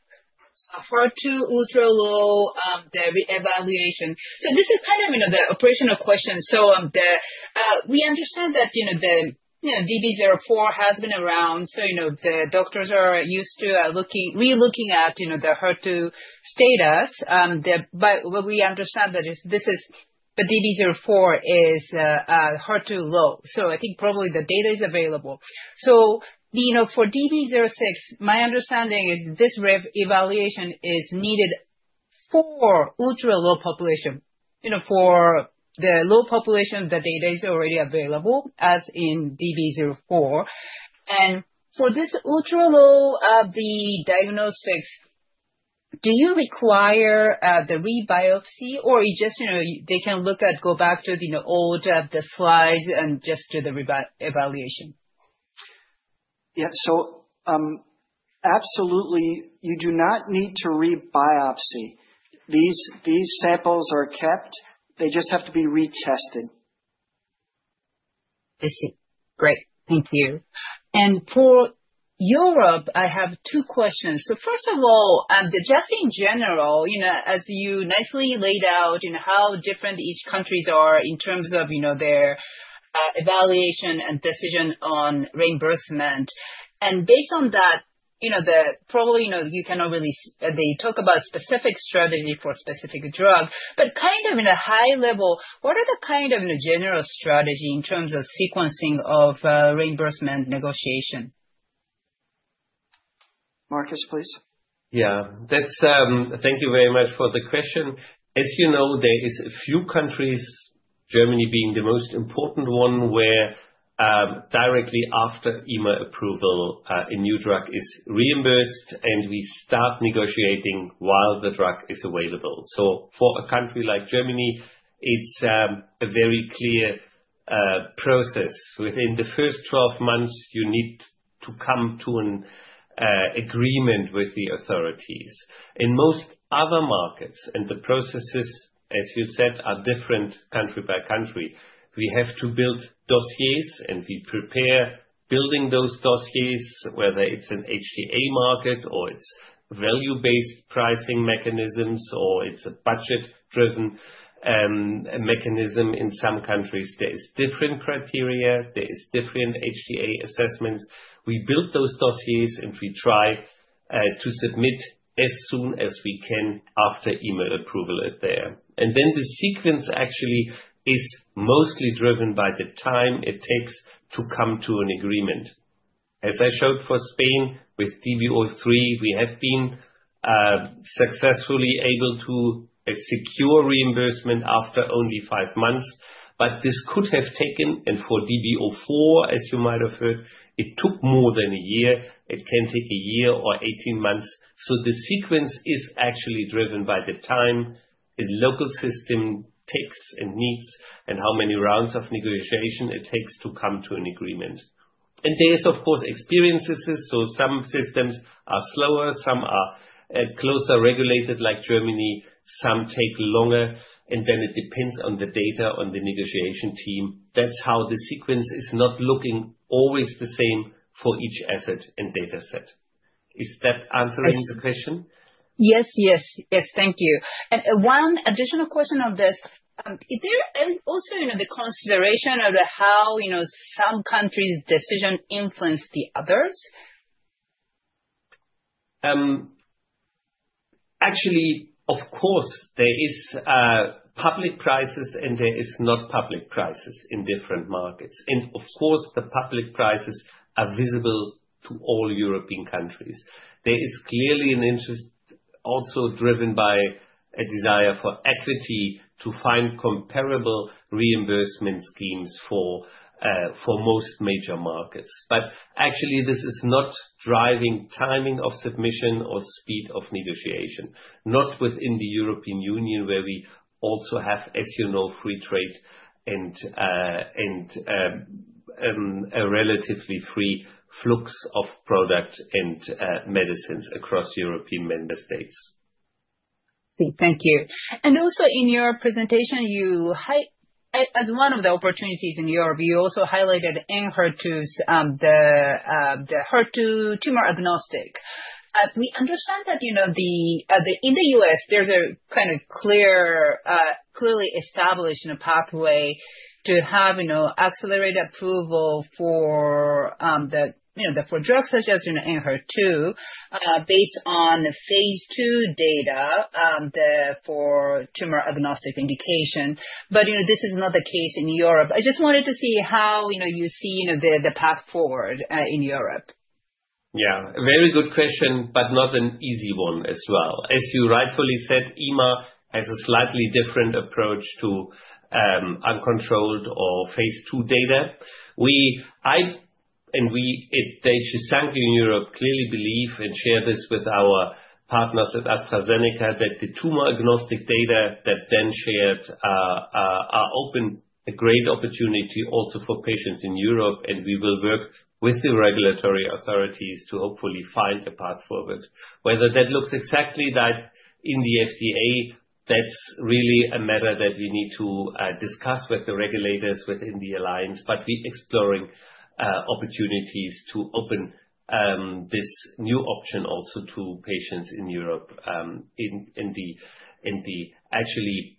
HER2-ultra-low, the evaluation. This is kind of the operational question. We understand that the DB04 has been around, so the doctors are used to relooking at the HER2 status. But what we understand is this is the DB04 is HER2-low. I think probably the data is available. For DB06, my understanding is this evaluation is needed for ultra-low population. For the low population, the data is already available as in DB04. For this ultra-low of the diagnostics, do you require the re-biopsy or just they can look back at the old slides and just do the re-evaluation? Yeah, so absolutely, you do not need to re-biopsy. These samples are kept. They just have to be retested. I see. Great. Thank you. For Europe, I have two questions. So first of all, just in general, as you nicely laid out how different each country is in terms of their evaluation and decision on reimbursement. And based on that, probably you cannot really talk about specific strategy for specific drug, but kind of in a high level, what are the kind of general strategy in terms of sequencing of reimbursement negotiation? Markus, please. Yeah, thank you very much for the question. As you know, there are a few countries, Germany being the most important one, where directly after EMA approval, a new drug is reimbursed, and we start negotiating while the drug is available. For a country like Germany, it is a very clear process. Within the first 12 months, you need to come to an agreement with the authorities. In most other markets and the processes, as you said, are different country by country. We have to build dossiers, and we prepare building those dossiers, whether it is an HTA market or it is value-based pricing mechanisms or it is a budget-driven mechanism. In some countries, there are different criteria. There are different HTA assessments. We build those dossiers, and we try to submit as soon as we can after EMA approval there. Then the sequence actually is mostly driven by the time it takes to come to an agreement. As I showed for Spain with DB03, we have been successfully able to secure reimbursement after only five months, but this could have taken, and for DB04, as you might have heard, it took more than a year. It can take a year or 18 months. So the sequence is actually driven by the time the local system takes and needs and how many rounds of negotiation it takes to come to an agreement. And there is, of course, experiences. So some systems are slower, some are closer regulated like Germany, some take longer, and then it depends on the data on the negotiation team. That's how the sequence is not looking always the same for each asset and data set. Is that answering the question? Yes, yes, yes. Thank you, and one additional question on this. Is there also the consideration of how some countries' decisions influence the others? Actually, of course, there are public prices and there are not public prices in different markets. And of course, the public prices are visible to all European countries. There is clearly an interest also driven by a desire for equity to find comparable reimbursement schemes for most major markets. But actually, this is not driving timing of submission or speed of negotiation, not within the European Union where we also have, as you know, free trade and a relatively free flux of product and medicines across European member states. Thank you. And also in your presentation, as one of the opportunities in Europe, you also highlighted Enhertu, the HER2 tumor-agnostic. We understand that in the U.S., there's a kind of clearly established pathway to have accelerated approval for drugs such as Enhertu based on phase two data for tumor-agnostic indication. But this is not the case in Europe. I just wanted to see how you see the path forward in Europe. Yeah, very good question, but not an easy one as well. As you rightfully said, EMA has a slightly different approach to uncontrolled or phase 2 data. And at Daiichi Sankyo in Europe, we clearly believe and share this with our partners at AstraZeneca that the tumor-agnostic data that Ben shared are open a great opportunity also for patients in Europe, and we will work with the regulatory authorities to hopefully find a path forward. Whether that looks exactly like in the FDA, that's really a matter that we need to discuss with the regulators within the alliance, but we are exploring opportunities to open this new option also to patients in Europe and actually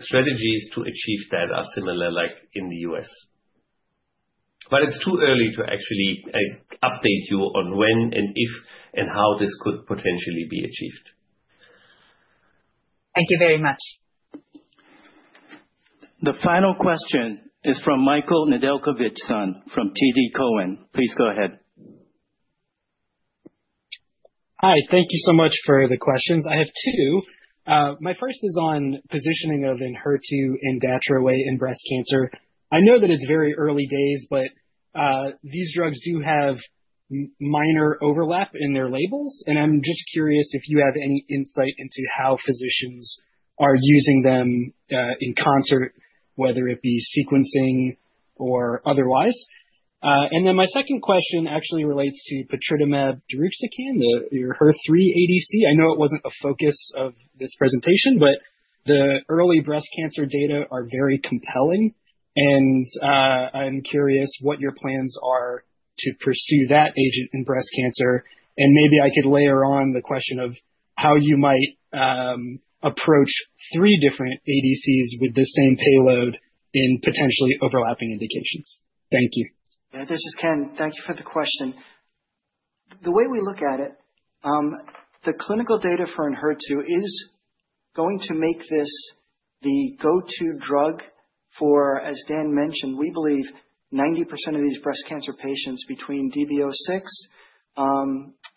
strategies to achieve that are similar like in the U.S. But it's too early to actually update you on when and if and how this could potentially be achieved. Thank you very much. The final question is from Michael Nedelcovych from TD Cowen. Please go ahead. Hi, thank you so much for the questions. I have two. My first is on positioning of in HER2 and Datroway in breast cancer. I know that it's very early days, but these drugs do have minor overlap in their labels, and I'm just curious if you have any insight into how physicians are using them in concert, whether it be sequencing or otherwise, and then my second question actually relates to Patritumab deruxtecan, your HER3 ADC. I know it wasn't a focus of this presentation, but the early breast cancer data are very compelling, and I'm curious what your plans are to pursue that agent in breast cancer. Maybe I could layer on the question of how you might approach three different ADCs with the same payload in potentially overlapping indications. Thank you. This is Ken. Thank you for the question. The way we look at it, the clinical data for in HER2 is going to make this the go-to drug for, as Dan mentioned, we believe, 90% of these breast cancer patients between DB06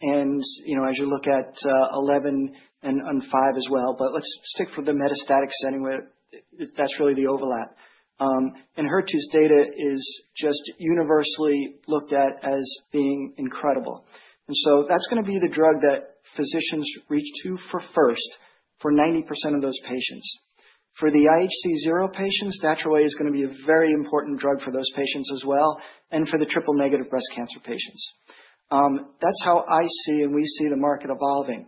and as you look at 11 and 5 as well. But let's stick for the metastatic setting where that's really the overlap. In HER2's data is just universally looked at as being incredible. And so that's going to be the drug that physicians reach to for first for 90% of those patients. For the IHC0 patients, Datroway is going to be a very important drug for those patients as well. For the triple-negative breast cancer patients, that's how I see and we see the market evolving.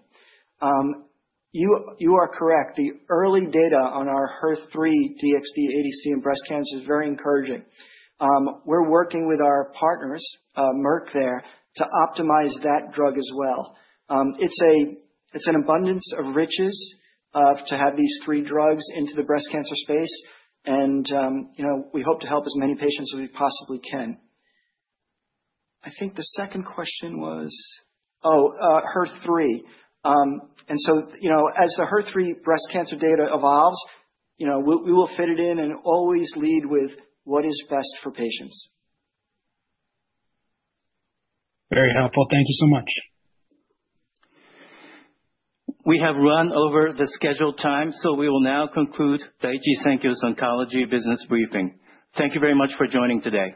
You are correct. The early data on our HER3-DXd ADC in breast cancer is very encouraging. We're working with our partners, Merck there, to optimize that drug as well. It's an abundance of riches to have these three drugs into the breast cancer space. We hope to help as many patients as we possibly can. I think the second question was, oh, HER3. As the HER3 breast cancer data evolves, we will fit it in and always lead with what is best for patients. Very helpful. Thank you so much. We have run over the scheduled time, so we will now conclude Daiichi Sankyo's oncology business briefing. Thank you very much for joining today.